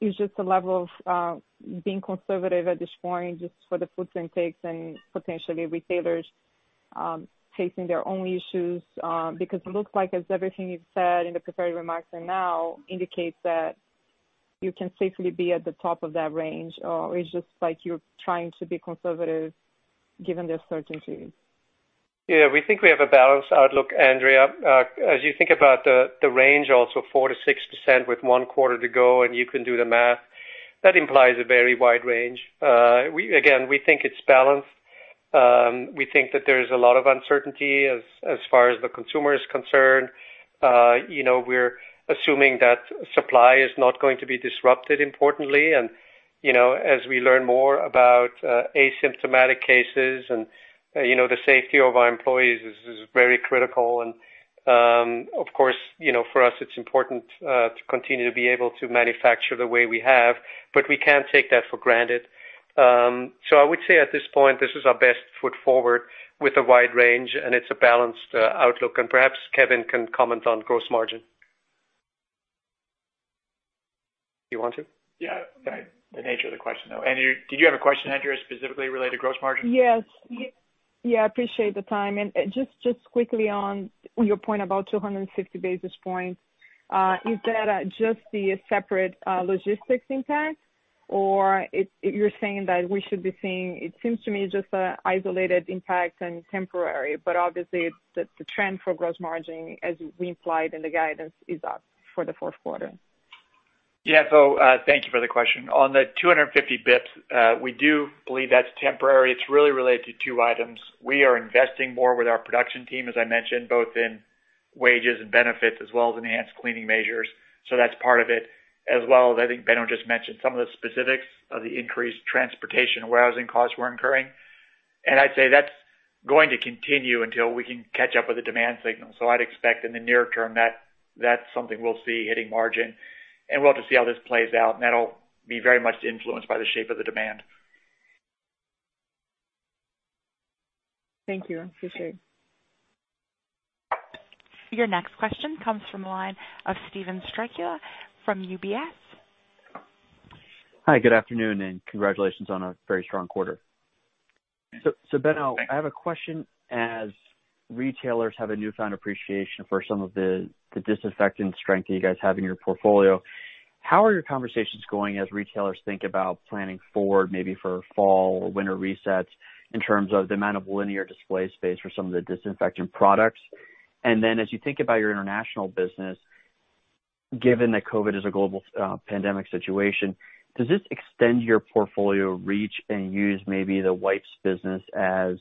it's just a level of being conservative at this point just for the foods and takes and potentially retailers facing their own issues, because it looks like as everything you've said in the prepared remarks and now indicates that you can safely be at the top of that range, or it's just like you're trying to be conservative given the uncertainties. Yeah, we think we have a balanced outlook, Andrea. As you think about the range, also 4%-6% with one quarter to go, and you can do the math, that implies a very wide range. Again, we think it's balanced. We think that there is a lot of uncertainty as far as the consumer is concerned. We're assuming that supply is not going to be disrupted importantly. As we learn more about asymptomatic cases and the safety of our employees is very critical. Of course, for us, it's important to continue to be able to manufacture the way we have, but we can't take that for granted. I would say at this point, this is our best foot forward with a wide range, and it's a balanced outlook. Perhaps Kevin can comment on gross margin. Do you want to? Yeah, the nature of the question, though. Did you have a question, Andrea, specifically related to gross margin? Yes. Yeah, I appreciate the time. Just quickly on your point about 250 basis points, is that just the separate logistics impact, or you're saying that we should be seeing, it seems to me, just an isolated impact and temporary, but obviously the trend for gross margin, as we implied in the guidance, is up for the fourth quarter? Yeah, thank you for the question. On the 250 basis points, we do believe that's temporary. It's really related to two items. We are investing more with our production team, as I mentioned, both in wages and benefits as well as enhanced cleaning measures. That's part of it. I think Benno just mentioned some of the specifics of the increased transportation and warehousing costs we're incurring. I'd say that's going to continue until we can catch up with the demand signal. I'd expect in the near term that that's something we'll see hitting margin. We'll have to see how this plays out, and that'll be very much influenced by the shape of the demand. Thank you. I appreciate it. Your next question comes from the line of Steven Strycula from UBS. Hi, good afternoon, and congratulations on a very strong quarter. Benno, I have a question. As retailers have a newfound appreciation for some of the disinfectant strength that you guys have in your portfolio, how are your conversations going as retailers think about planning for maybe for fall or winter resets in terms of the amount of linear display space for some of the disinfectant products? As you think about your international business, given that COVID is a global pandemic situation, does this extend your portfolio reach and use maybe the wipes business as a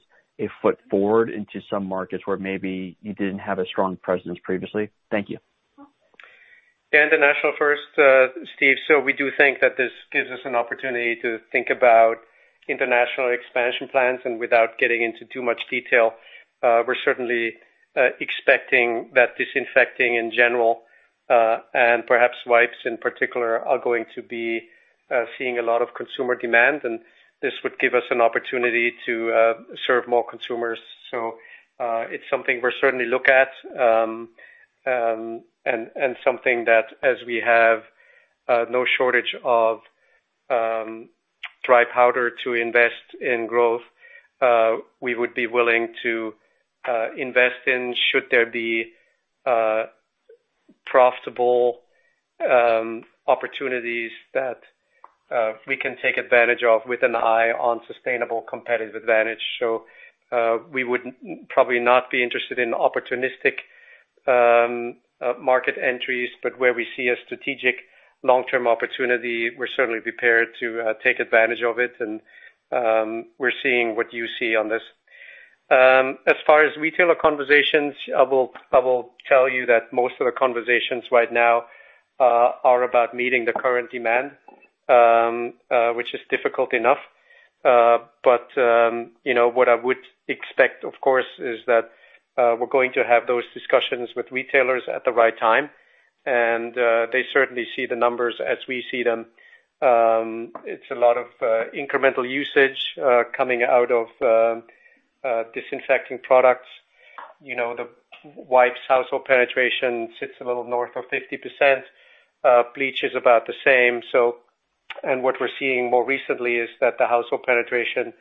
foot forward into some markets where maybe you did not have a strong presence previously? Thank you. The national first, Steve. We do think that this gives us an opportunity to think about international expansion plans. Without getting into too much detail, we are certainly expecting that disinfecting in general and perhaps wipes in particular are going to be seeing a lot of consumer demand, and this would give us an opportunity to serve more consumers. It is something we're certainly looking at and something that, as we have no shortage of dry powder to invest in growth, we would be willing to invest in should there be profitable opportunities that we can take advantage of with an eye on sustainable competitive advantage. We would probably not be interested in opportunistic market entries, but where we see a strategic long-term opportunity, we're certainly prepared to take advantage of it. We're seeing what you see on this. As far as retailer conversations, I will tell you that most of the conversations right now are about meeting the current demand, which is difficult enough. What I would expect, of course, is that we're going to have those discussions with retailers at the right time. They certainly see the numbers as we see them. It's a lot of incremental usage coming out of disinfecting products. The wipes household penetration sits a little north of 50%. Bleach is about the same. What we're seeing more recently is that the household penetration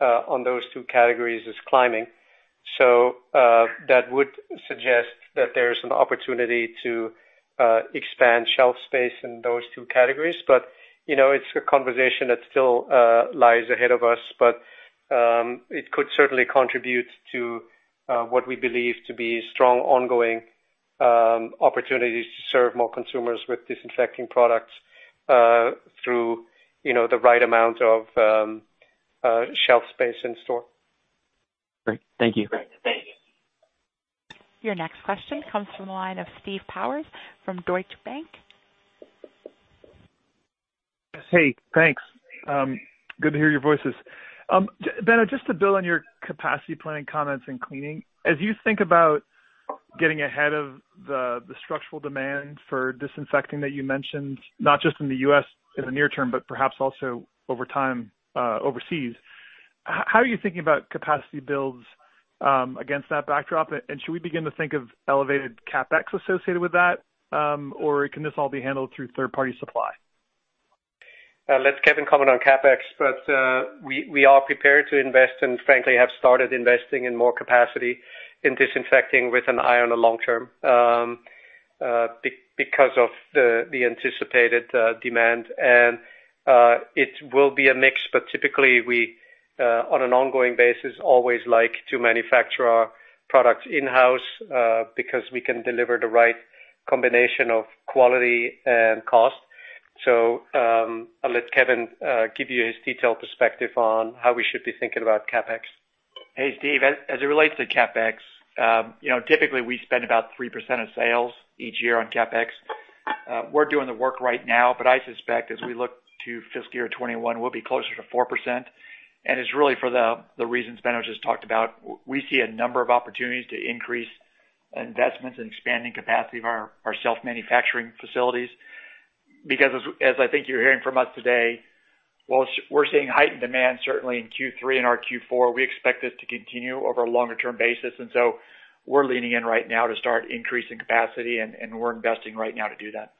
on those two categories is climbing. That would suggest that there's an opportunity to expand shelf space in those two categories. It is a conversation that still lies ahead of us, but it could certainly contribute to what we believe to be strong ongoing opportunities to serve more consumers with disinfecting products through the right amount of shelf space in store. Great. Thank you. Great. Thank you. Your next question comes from the line of Steve Powers from Deutsche Bank. Hey, thanks. Good to hear your voices. Benno, just to build on your capacity planning comments in cleaning, as you think about getting ahead of the structural demand for disinfecting that you mentioned, not just in the U.S. in the near term, but perhaps also over time overseas, how are you thinking about capacity builds against that backdrop? Should we begin to think of elevated CapEx associated with that, or can this all be handled through third-party supply? Let Kevin comment on CapEx, but we are prepared to invest and frankly have started investing in more capacity in disinfecting with an eye on the long term because of the anticipated demand. It will be a mix, but typically we, on an ongoing basis, always like to manufacture our products in-house because we can deliver the right combination of quality and cost. I'll let Kevin give you his detailed perspective on how we should be thinking about CapEx. Hey, Steve, as it relates to CapEx, typically we spend about 3% of sales each year on CapEx. We're doing the work right now, but I suspect as we look to fiscal year 2021, we'll be closer to 4%. It is really for the reasons Benno just talked about. We see a number of opportunities to increase investments and expanding capacity of our self-manufacturing facilities. Because as I think you're hearing from us today, we're seeing heightened demand certainly in Q3 and our Q4. We expect this to continue over a longer-term basis. We are leaning in right now to start increasing capacity, and we're investing right now to do that.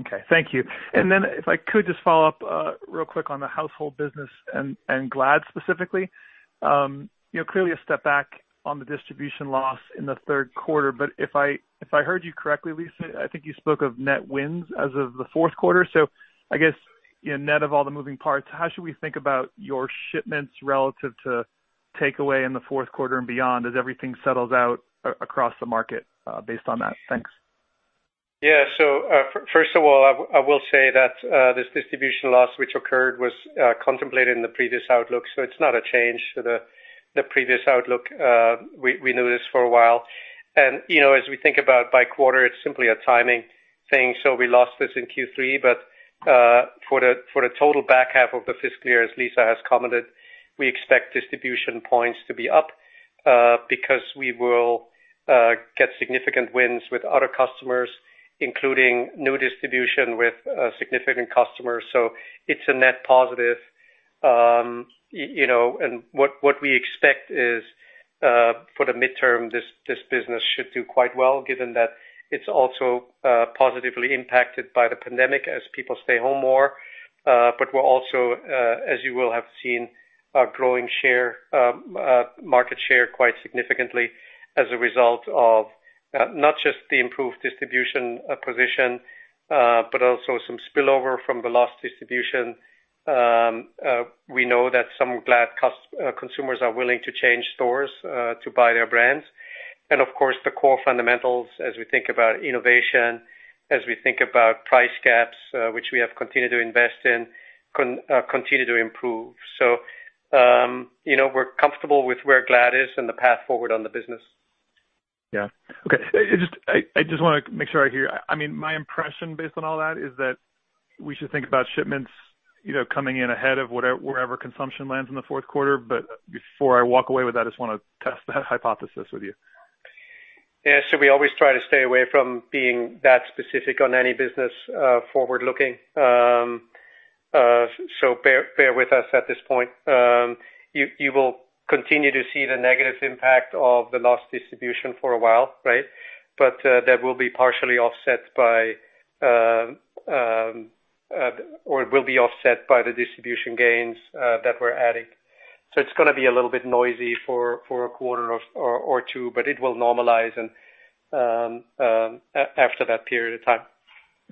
Okay. Thank you. If I could just follow up real quick on the household business and Glad specifically, clearly a step back on the distribution loss in the third quarter. If I heard you correctly, Lisah, I think you spoke of net wins as of the fourth quarter. I guess net of all the moving parts, how should we think about your shipments relative to takeaway in the fourth quarter and beyond as everything settles out across the market based on that? Thanks. Yeah. First of all, I will say that this distribution loss, which occurred, was contemplated in the previous outlook. It is not a change to the previous outlook. We knew this for a while. As we think about by quarter, it is simply a timing thing. We lost this in Q3. For the total back half of the fiscal year, as Lisah has commented, we expect distribution points to be up because we will get significant wins with other customers, including new distribution with significant customers. It is a net positive. What we expect is for the midterm, this business should do quite well given that it's also positively impacted by the pandemic as people stay home more. We are also, as you will have seen, growing market share quite significantly as a result of not just the improved distribution position, but also some spillover from the lost distribution. We know that some Glad consumers are willing to change stores to buy their brands. Of course, the core fundamentals as we think about innovation, as we think about price gaps, which we have continued to invest in, continue to improve. We are comfortable with where Glad is and the path forward on the business. Yeah. Okay. I just want to make sure I hear. I mean, my impression based on all that is that we should think about shipments coming in ahead of wherever consumption lands in the fourth quarter. Before I walk away with that, I just want to test that hypothesis with you. Yeah. We always try to stay away from being that specific on any business forward-looking. Bear with us at this point. You will continue to see the negative impact of the lost distribution for a while, right? That will be partially offset by or will be offset by the distribution gains that we're adding. It's going to be a little bit noisy for a quarter or two, but it will normalize after that period of time.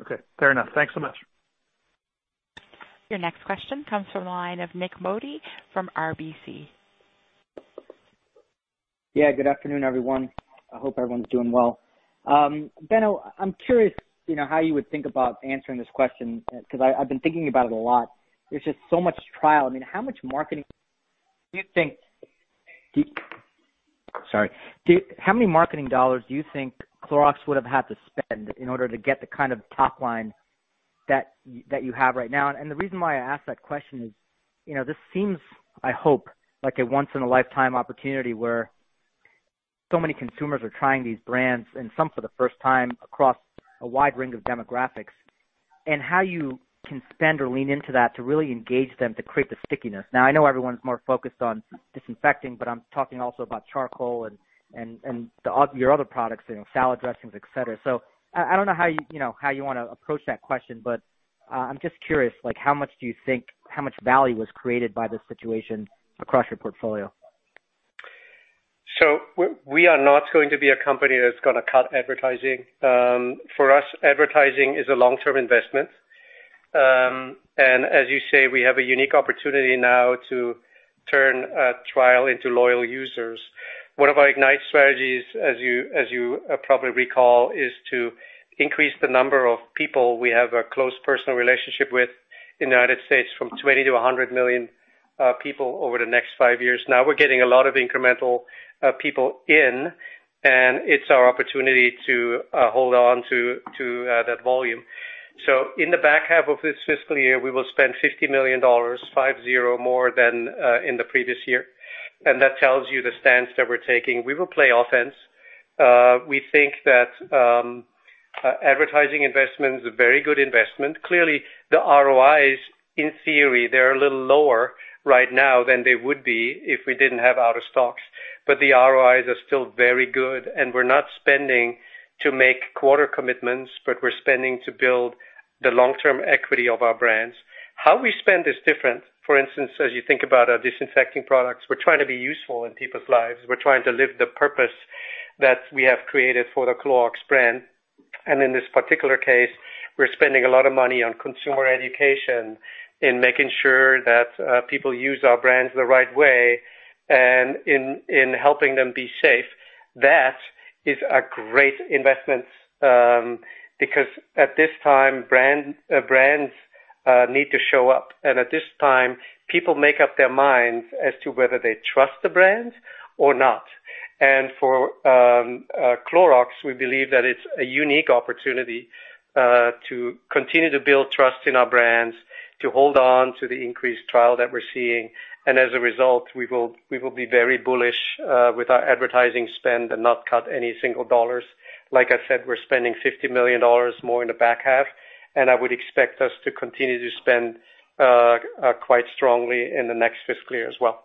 Okay. Fair enough. Thanks so much. Your next question comes from the line of Nik Modi from RBC. Yeah. Good afternoon, everyone. I hope everyone's doing well. Benno, I'm curious how you would think about answering this question because I've been thinking about it a lot. There's just so much trial. I mean, how much marketing do you think, sorry, how many marketing dollars do you think Clorox would have had to spend in order to get the kind of top line that you have right now? The reason why I ask that question is this seems, I hope, like a once-in-a-lifetime opportunity where so many consumers are trying these brands and some for the first time across a wide range of demographics. How you can spend or lean into that to really engage them to create the stickiness. Now, I know everyone's more focused on disinfecting, but I'm talking also about charcoal and your other products, salad dressings, etc. I do not know how you want to approach that question, but I am just curious how much do you think how much value was created by this situation across your portfolio? We are not going to be a company that is going to cut advertising. For us, advertising is a long-term investment. As you say, we have a unique opportunity now to turn trial into loyal users. One of our IGNITE Strategies, as you probably recall, is to increase the number of people we have a close personal relationship with in the United States from 20 to 100 million people over the next five years. Now we are getting a lot of incremental people in, and it is our opportunity to hold on to that volume. In the back half of this fiscal year, we will spend $50 million, five-zero more than in the previous year. That tells you the stance that we're taking. We will play offense. We think that advertising investment is a very good investment. Clearly, the ROIs, in theory, are a little lower right now than they would be if we did not have out-of-stocks. The ROIs are still very good. We are not spending to make quarter commitments, but we are spending to build the long-term equity of our brands. How we spend is different. For instance, as you think about our disinfecting products, we are trying to be useful in people's lives. We are trying to live the purpose that we have created for the Clorox brand. In this particular case, we are spending a lot of money on consumer education in making sure that people use our brands the right way and in helping them be safe. That is a great investment because at this time, brands need to show up. At this time, people make up their minds as to whether they trust the brands or not. For Clorox, we believe that it's a unique opportunity to continue to build trust in our brands, to hold on to the increased trial that we're seeing. As a result, we will be very bullish with our advertising spend and not cut any single dollars. Like I said, we're spending $50 million more in the back half. I would expect us to continue to spend quite strongly in the next fiscal year as well.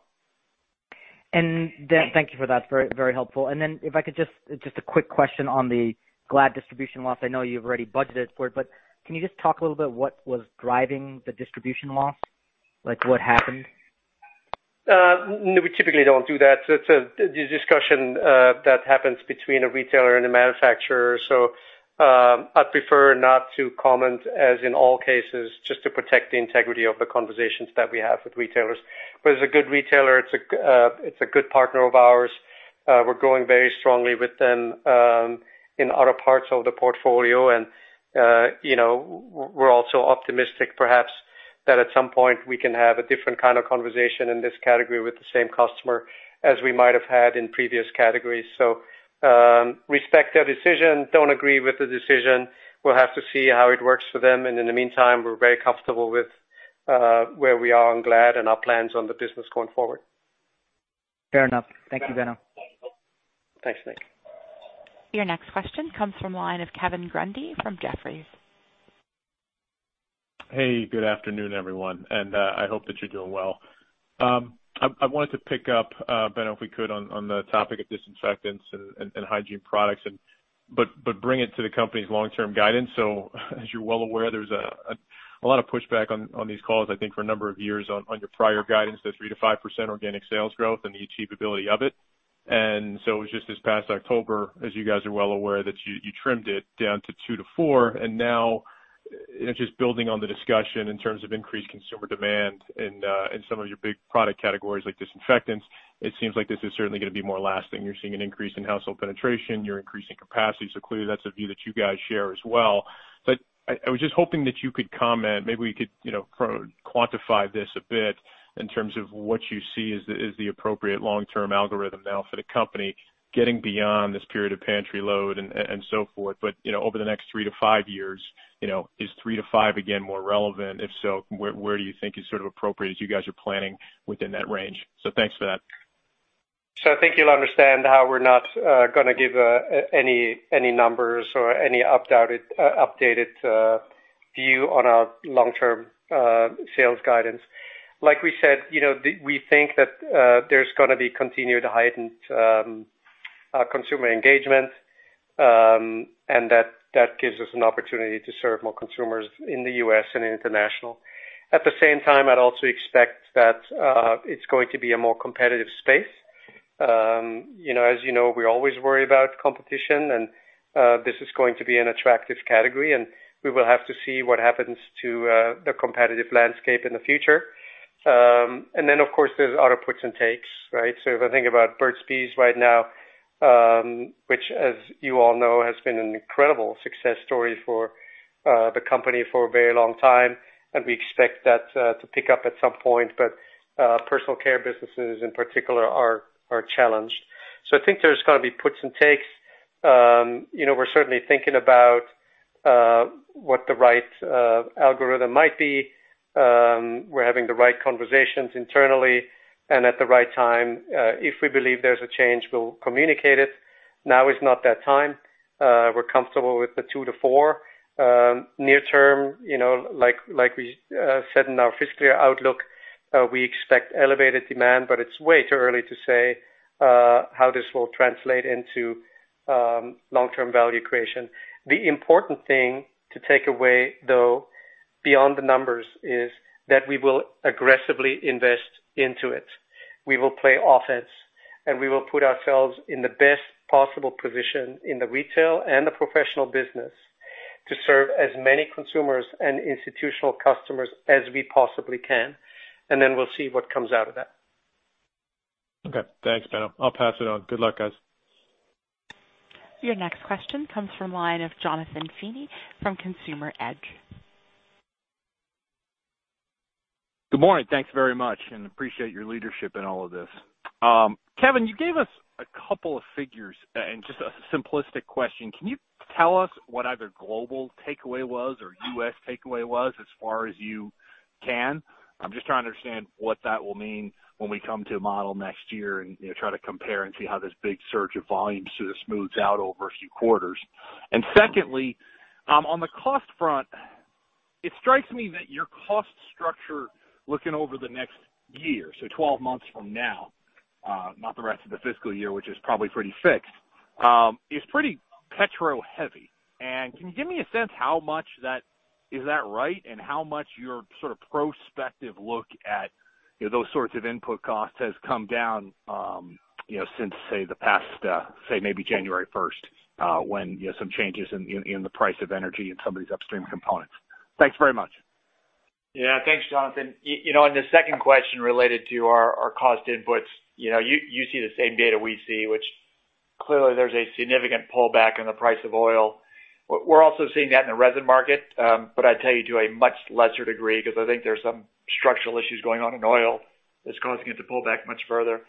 Thank you for that. Very helpful. If I could, just a quick question on the Glad distribution loss. I know you've already budgeted for it, but can you talk a little bit about what was driving the distribution loss? What happened? We typically don't do that. It's a discussion that happens between a retailer and a manufacturer. I’d prefer not to comment as in all cases just to protect the integrity of the conversations that we have with retailers. It’s a good retailer. It’s a good partner of ours. We’re going very strongly with them in other parts of the portfolio. We’re also optimistic perhaps that at some point we can have a different kind of conversation in this category with the same customer as we might have had in previous categories. I respect their decision. I don’t agree with the decision. We’ll have to see how it works for them. In the meantime, we’re very comfortable with where we are on Glad and our plans on the business going forward. Fair enough. Thank you, Benno. Thanks, Nik. Your next question comes from the line of Kevin Grundy from Jefferies. Hey, good afternoon, everyone. I hope that you're doing well. I wanted to pick up, Benno, if we could, on the topic of disinfectants and hygiene products, but bring it to the company's long-term guidance. As you're well aware, there's a lot of pushback on these calls, I think, for a number of years on your prior guidance, the 3%-5% organic sales growth and the achievability of it. It was just this past October, as you guys are well aware, that you trimmed it down to 2%-4%. Now, just building on the discussion in terms of increased consumer demand in some of your big product categories like disinfectants, it seems like this is certainly going to be more lasting. You're seeing an increase in household penetration. You're increasing capacity. Clearly, that's a view that you guys share as well. I was just hoping that you could comment. Maybe we could quantify this a bit in terms of what you see as the appropriate long-term algorithm now for the company getting beyond this period of pantry load and so forth. Over the next three to five years, is three to five again more relevant? If so, where do you think is sort of appropriate as you guys are planning within that range? Thanks for that. I think you'll understand how we're not going to give any numbers or any updated view on our long-term sales guidance. Like we said, we think that there's going to be continued heightened consumer engagement, and that gives us an opportunity to serve more consumers in the U.S. and international. At the same time, I'd also expect that it's going to be a more competitive space. As you know, we always worry about competition, and this is going to be an attractive category. We will have to see what happens to the competitive landscape in the future. Of course, there are other puts and takes, right? If I think about Burt's Bees right now, which, as you all know, has been an incredible success story for the company for a very long time. We expect that to pick up at some point. Personal care businesses, in particular, are challenged. I think there are going to be puts and takes. We are certainly thinking about what the right algorithm might be. We are having the right conversations internally and at the right time. If we believe there is a change, we will communicate it. Now is not that time. We are comfortable with the 2%-4%. Near term, like we said in our fiscal year outlook, we expect elevated demand, but it's way too early to say how this will translate into long-term value creation. The important thing to take away, though, beyond the numbers, is that we will aggressively invest into it. We will play offense, and we will put ourselves in the best possible position in the retail and the professional business to serve as many consumers and institutional customers as we possibly can. Then we'll see what comes out of that. Okay. Thanks, Benno. I'll pass it on. Good luck, guys. Your next question comes from the line of Jonathan Feeney from Consumer Edge. Good morning. Thanks very much, and appreciate your leadership in all of this. Kevin, you gave us a couple of figures and just a simplistic question. Can you tell us what either global takeaway was or U.S. Takeaway was as far as you can? I'm just trying to understand what that will mean when we come to model next year and try to compare and see how this big surge of volume sort of smooths out over a few quarters. Secondly, on the cost front, it strikes me that your cost structure looking over the next year, so 12 months from now, not the rest of the fiscal year, which is probably pretty fixed, is pretty petro-heavy. Can you give me a sense how much that is, is that right, and how much your sort of prospective look at those sorts of input costs has come down since, say, the past, say, maybe January 1st when some changes in the price of energy and some of these upstream components? Thanks very much. Yeah. Thanks, Jonathan. The second question related to our cost inputs, you see the same data we see, which clearly there's a significant pullback in the price of oil. We're also seeing that in the resin market, but I'd tell you to a much lesser degree because I think there's some structural issues going on in oil that's causing it to pull back much further.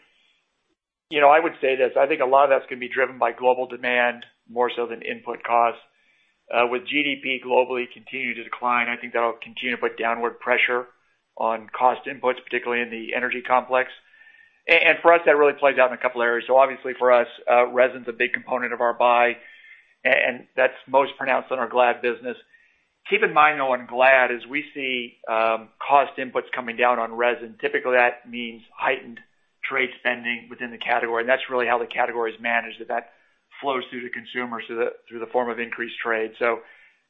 I would say this. I think a lot of that's going to be driven by global demand more so than input costs. With GDP globally continuing to decline, I think that'll continue to put downward pressure on cost inputs, particularly in the energy complex. For us, that really plays out in a couple of areas. Obviously, for us, resin's a big component of our buy, and that's most pronounced in our Glad business. Keep in mind, though, on Glad, as we see cost inputs coming down on resin, typically that means heightened trade spending within the category. That is really how the category is managed, that that flows through the consumer through the form of increased trade.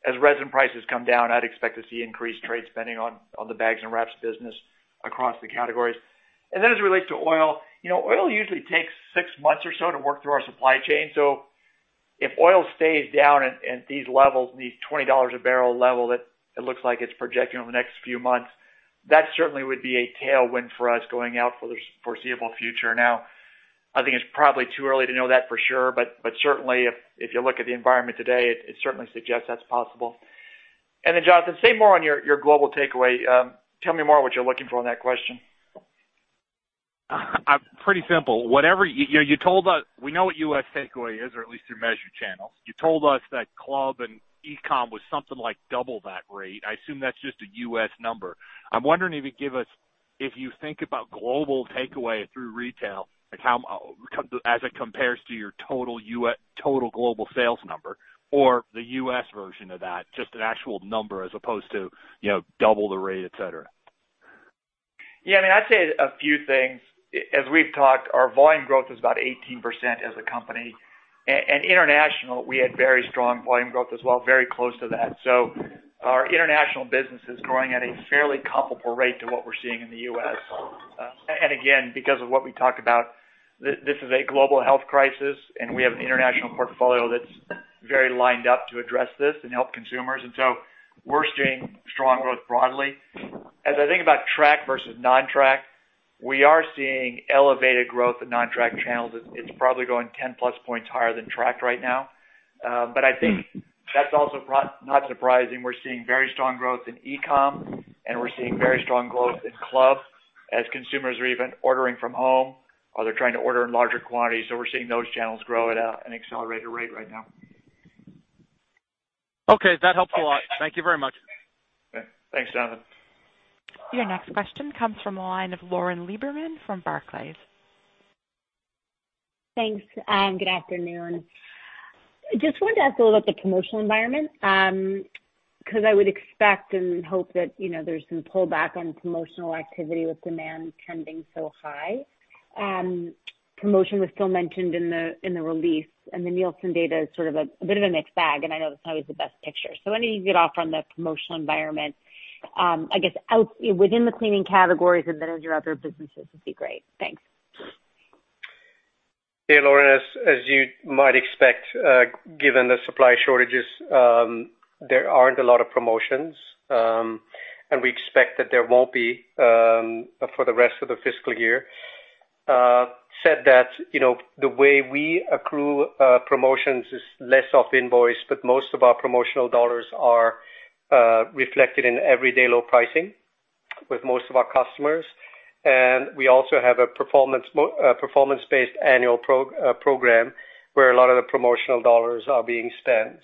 As resin prices come down, I would expect to see increased trade spending on the bags and wraps business across the categories. As it relates to oil, oil usually takes six months or so to work through our supply chain. If oil stays down at these levels, these $20 a barrel level that it looks like it is projecting over the next few months, that certainly would be a tailwind for us going out for the foreseeable future. I think it is probably too early to know that for sure, but certainly, if you look at the environment today, it certainly suggests that is possible. Jonathan, say more on your global takeaway. Tell me more what you're looking for on that question. Pretty simple. You told us we know what U.S. takeaway is, or at least through measured channels. You told us that Club and e-com was something like double that rate. I assume that's just a U.S. number. I'm wondering if you could give us, if you think about global takeaway through retail, as it compares to your total global sales number or the U.S. version of that, just an actual number as opposed to double the rate, etc. Yeah. I mean, I'd say a few things. As we've talked, our volume growth is about 18% as a company. International, we had very strong volume growth as well, very close to that. Our international business is growing at a fairly comparable rate to what we're seeing in the U.S. Again, because of what we talked about, this is a global health crisis, and we have an international portfolio that's very lined up to address this and help consumers. We are seeing strong growth broadly. As I think about track versus non-track, we are seeing elevated growth in non-track channels. It's probably going 10+ points higher than track right now. I think that's also not surprising. We are seeing very strong growth in e-com, and we are seeing very strong growth in Club as consumers are even ordering from home or they're trying to order in larger quantities. We are seeing those channels grow at an accelerated rate right now. Okay. That helps a lot. Thank you very much. Thanks, Jonathan. Your next question comes from the line of Lauren Lieberman from Barclays. Thanks. Good afternoon. Just wanted to ask a little about the promotional environment because I would expect and hope that there's some pullback on promotional activity with demand trending so high. Promotion was still mentioned in the release, and the Nielsen data is sort of a bit of a mixed bag, and I know that's not always the best picture. When you get off on the promotional environment, I guess within the cleaning categories and then into other businesses would be great. Thanks. Yeah, Lauren, as you might expect, given the supply shortages, there aren't a lot of promotions, and we expect that there won't be for the rest of the fiscal year. Said that the way we accrue promotions is less off invoice, but most of our promotional dollars are reflected in everyday low pricing with most of our customers. We also have a performance-based annual program where a lot of the promotional dollars are being spent.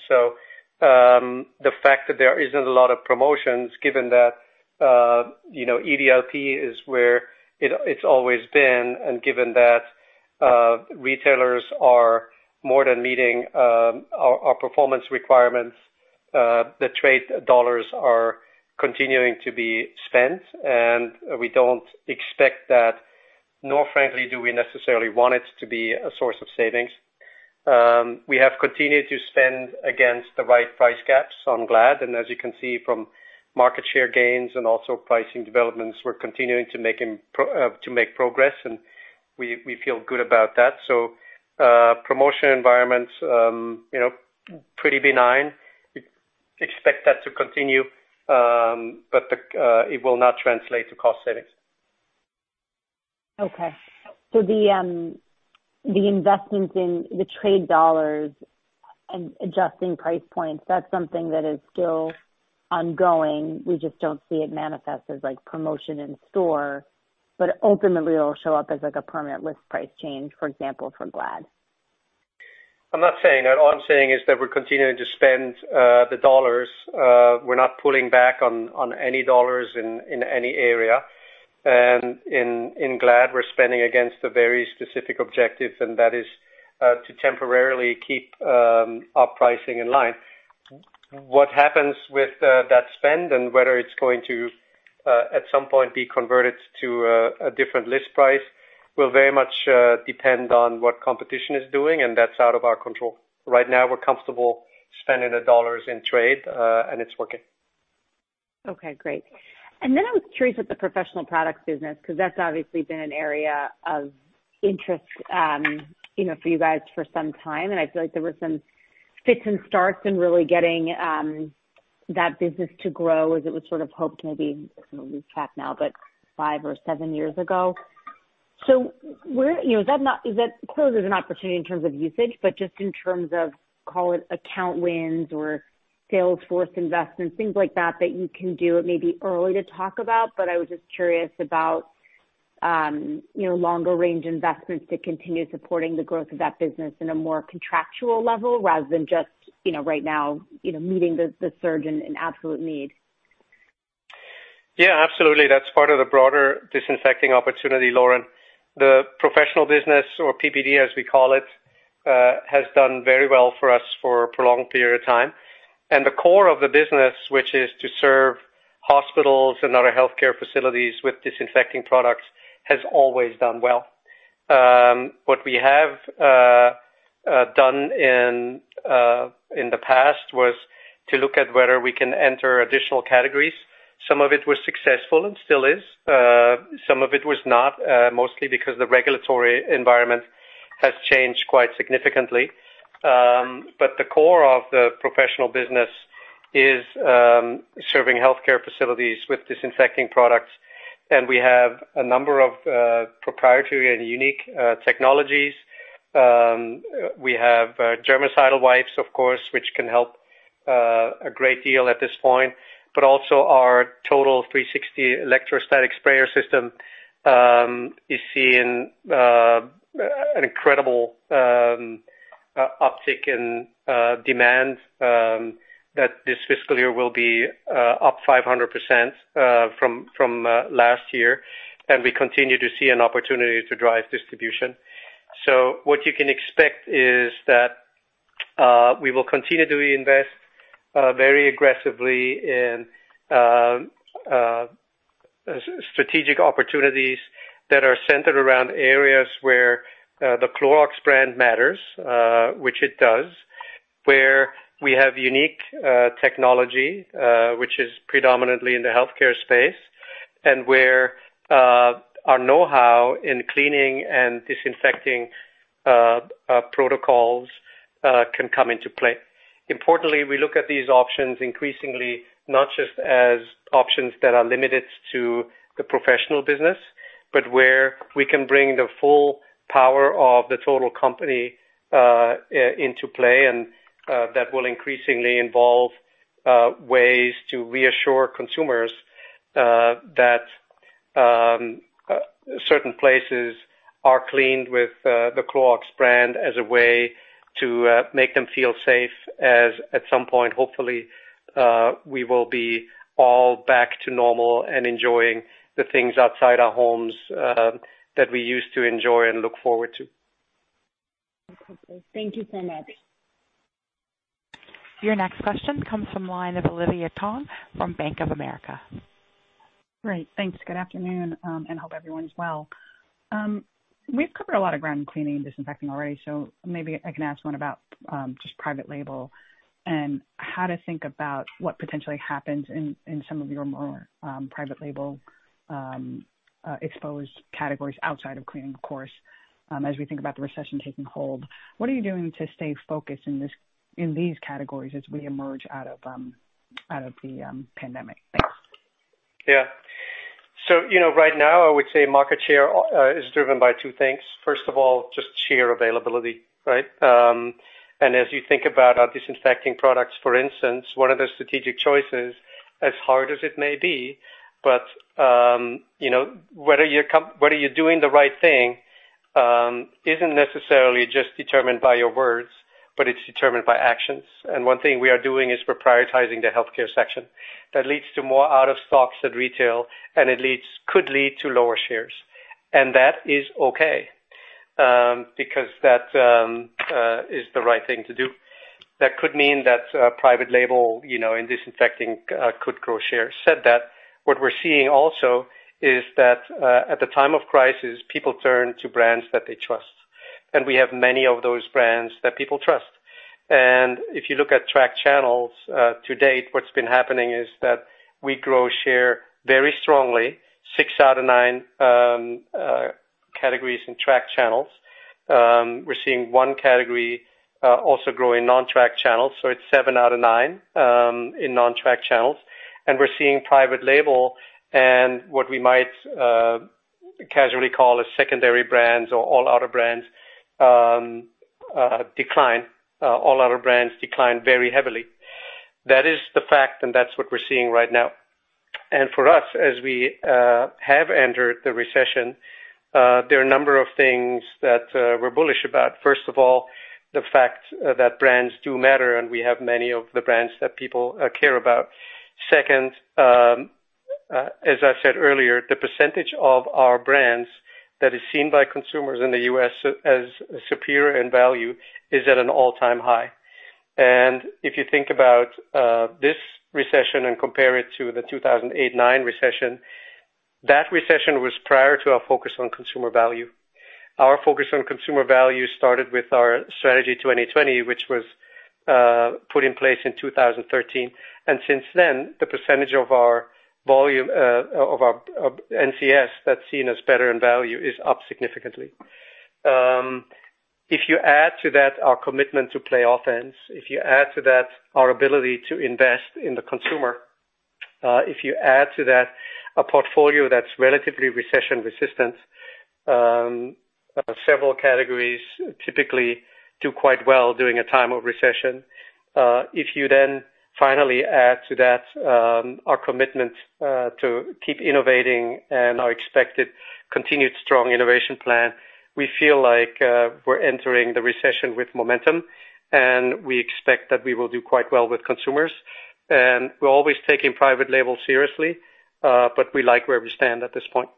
The fact that there is not a lot of promotions, given that EDLP is where it has always been, and given that retailers are more than meeting our performance requirements, the trade dollars are continuing to be spent. We do not expect that, nor frankly do we necessarily want it to be a source of savings. We have continued to spend against the right price gaps on Glad. As you can see from market share gains and also pricing developments, we are continuing to make progress, and we feel good about that. Promotion environments are pretty benign. Expect that to continue, but it will not translate to cost savings. The investment in the trade dollars and adjusting price points is something that is still ongoing. We just do not see it manifest as promotion in store, but ultimately, it will show up as a permanent list price change, for example, for Glad. I am not saying that. All I am saying is that we are continuing to spend the dollars. We are not pulling back on any dollars in any area. In Glad, we are spending against a very specific objective, and that is to temporarily keep our pricing in line. What happens with that spend and whether it is going to, at some point, be converted to a different list price will very much depend on what competition is doing, and that is out of our control. Right now, we are comfortable spending the dollars in trade, and it is working. Okay. Great. I was curious about the professional products business because that has obviously been an area of interest for you guys for some time. I feel like there were some fits and starts in really getting that business to grow as it was sort of hoped maybe—I am a little tracked now—but five or seven years ago. Is that closed as an opportunity in terms of usage, but just in terms of, call it, account wins or Salesforce investments, things like that, that you can do? It may be early to talk about, but I was just curious about longer-range investments to continue supporting the growth of that business in a more contractual level rather than just right now meeting the surge in absolute need. Yeah. Absolutely. That is part of the broader disinfecting opportunity, Lauren. The professional business, or PPD as we call it, has done very well for us for a prolonged period of time. The core of the business, which is to serve hospitals and other healthcare facilities with disinfecting products, has always done well. What we have done in the past was to look at whether we can enter additional categories. Some of it was successful and still is. Some of it was not, mostly because the regulatory environment has changed quite significantly. The core of the professional business is serving healthcare facilities with disinfecting products. We have a number of proprietary and unique technologies. We have germicidal wipes, of course, which can help a great deal at this point. Also, our total 360 electrostatic sprayer system is seeing an incredible uptick in demand that this fiscal year will be up 500% from last year. We continue to see an opportunity to drive distribution. What you can expect is that we will continue to invest very aggressively in strategic opportunities that are centered around areas where the Clorox brand matters, which it does, where we have unique technology, which is predominantly in the healthcare space, and where our know-how in cleaning and disinfecting protocols can come into play. Importantly, we look at these options increasingly not just as options that are limited to the professional business, but where we can bring the full power of the total company into play. That will increasingly involve ways to reassure consumers that certain places are cleaned with the Clorox brand as a way to make them feel safe, as at some point, hopefully, we will be all back to normal and enjoying the things outside our homes that we used to enjoy and look forward to. Thank you so much. Your next question comes from the line of Olivia Tong from Bank of America. Great. Thanks. Good afternoon, and I hope everyone's well. We've covered a lot of ground in cleaning and disinfecting already, so maybe I can ask one about just private label and how to think about what potentially happens in some of your more private label exposed categories outside of cleaning, of course, as we think about the recession taking hold. What are you doing to stay focused in these categories as we emerge out of the pandemic? Thanks. Yeah. Right now, I would say market share is driven by two things. First of all, just sheer availability, right? As you think about our disinfecting products, for instance, one of the strategic choices, as hard as it may be, but whether you're doing the right thing isn't necessarily just determined by your words, but it's determined by actions. One thing we are doing is we're prioritizing the healthcare section. That leads to more out-of-stocks at retail, and it could lead to lower shares. That is okay because that is the right thing to do. That could mean that private label in disinfecting could grow shares. Said that, what we're seeing also is that at the time of crisis, people turn to brands that they trust. We have many of those brands that people trust. If you look at track channels to date, what's been happening is that we grow share very strongly, six out of nine categories in track channels. We're seeing one category also grow in non-track channels. It is seven out of nine in non-track channels. We're seeing private label and what we might casually call as secondary brands or all-outer brands decline. All-outer brands decline very heavily. That is the fact, and that's what we're seeing right now. For us, as we have entered the recession, there are a number of things that we're bullish about. First of all, the fact that brands do matter, and we have many of the brands that people care about. Second, as I said earlier, the percentage of our brands that is seen by consumers in the U.S. as superior in value is at an all-time high. If you think about this recession and compare it to the 2008-2009 recession, that recession was prior to our focus on consumer value. Our focus on consumer value started with our strategy 2020, which was put in place in 2013. Since then, the percentage of our NCS that's seen as better in value is up significantly. If you add to that our commitment to play offense, if you add to that our ability to invest in the consumer, if you add to that a portfolio that's relatively recession resistant, several categories typically do quite well during a time of recession. If you then finally add to that our commitment to keep innovating and our expected continued strong innovation plan, we feel like we're entering the recession with momentum, and we expect that we will do quite well with consumers. We're always taking private label seriously, but we like where we stand at this point.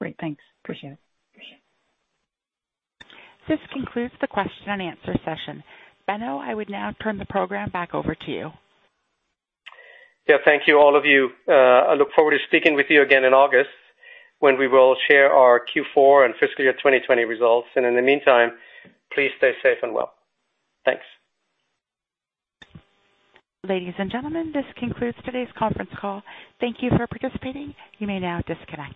Great. Thanks. Appreciate it. This concludes the question-and-answer session. Thank you, all of you. I look forward to speaking with you again in August when we will share our Q4 and fiscal year 2020 results. In the meantime, please stay safe and well. Thanks. Ladies and gentlemen, this concludes today's conference call. Thank you for participating. You may now disconnect.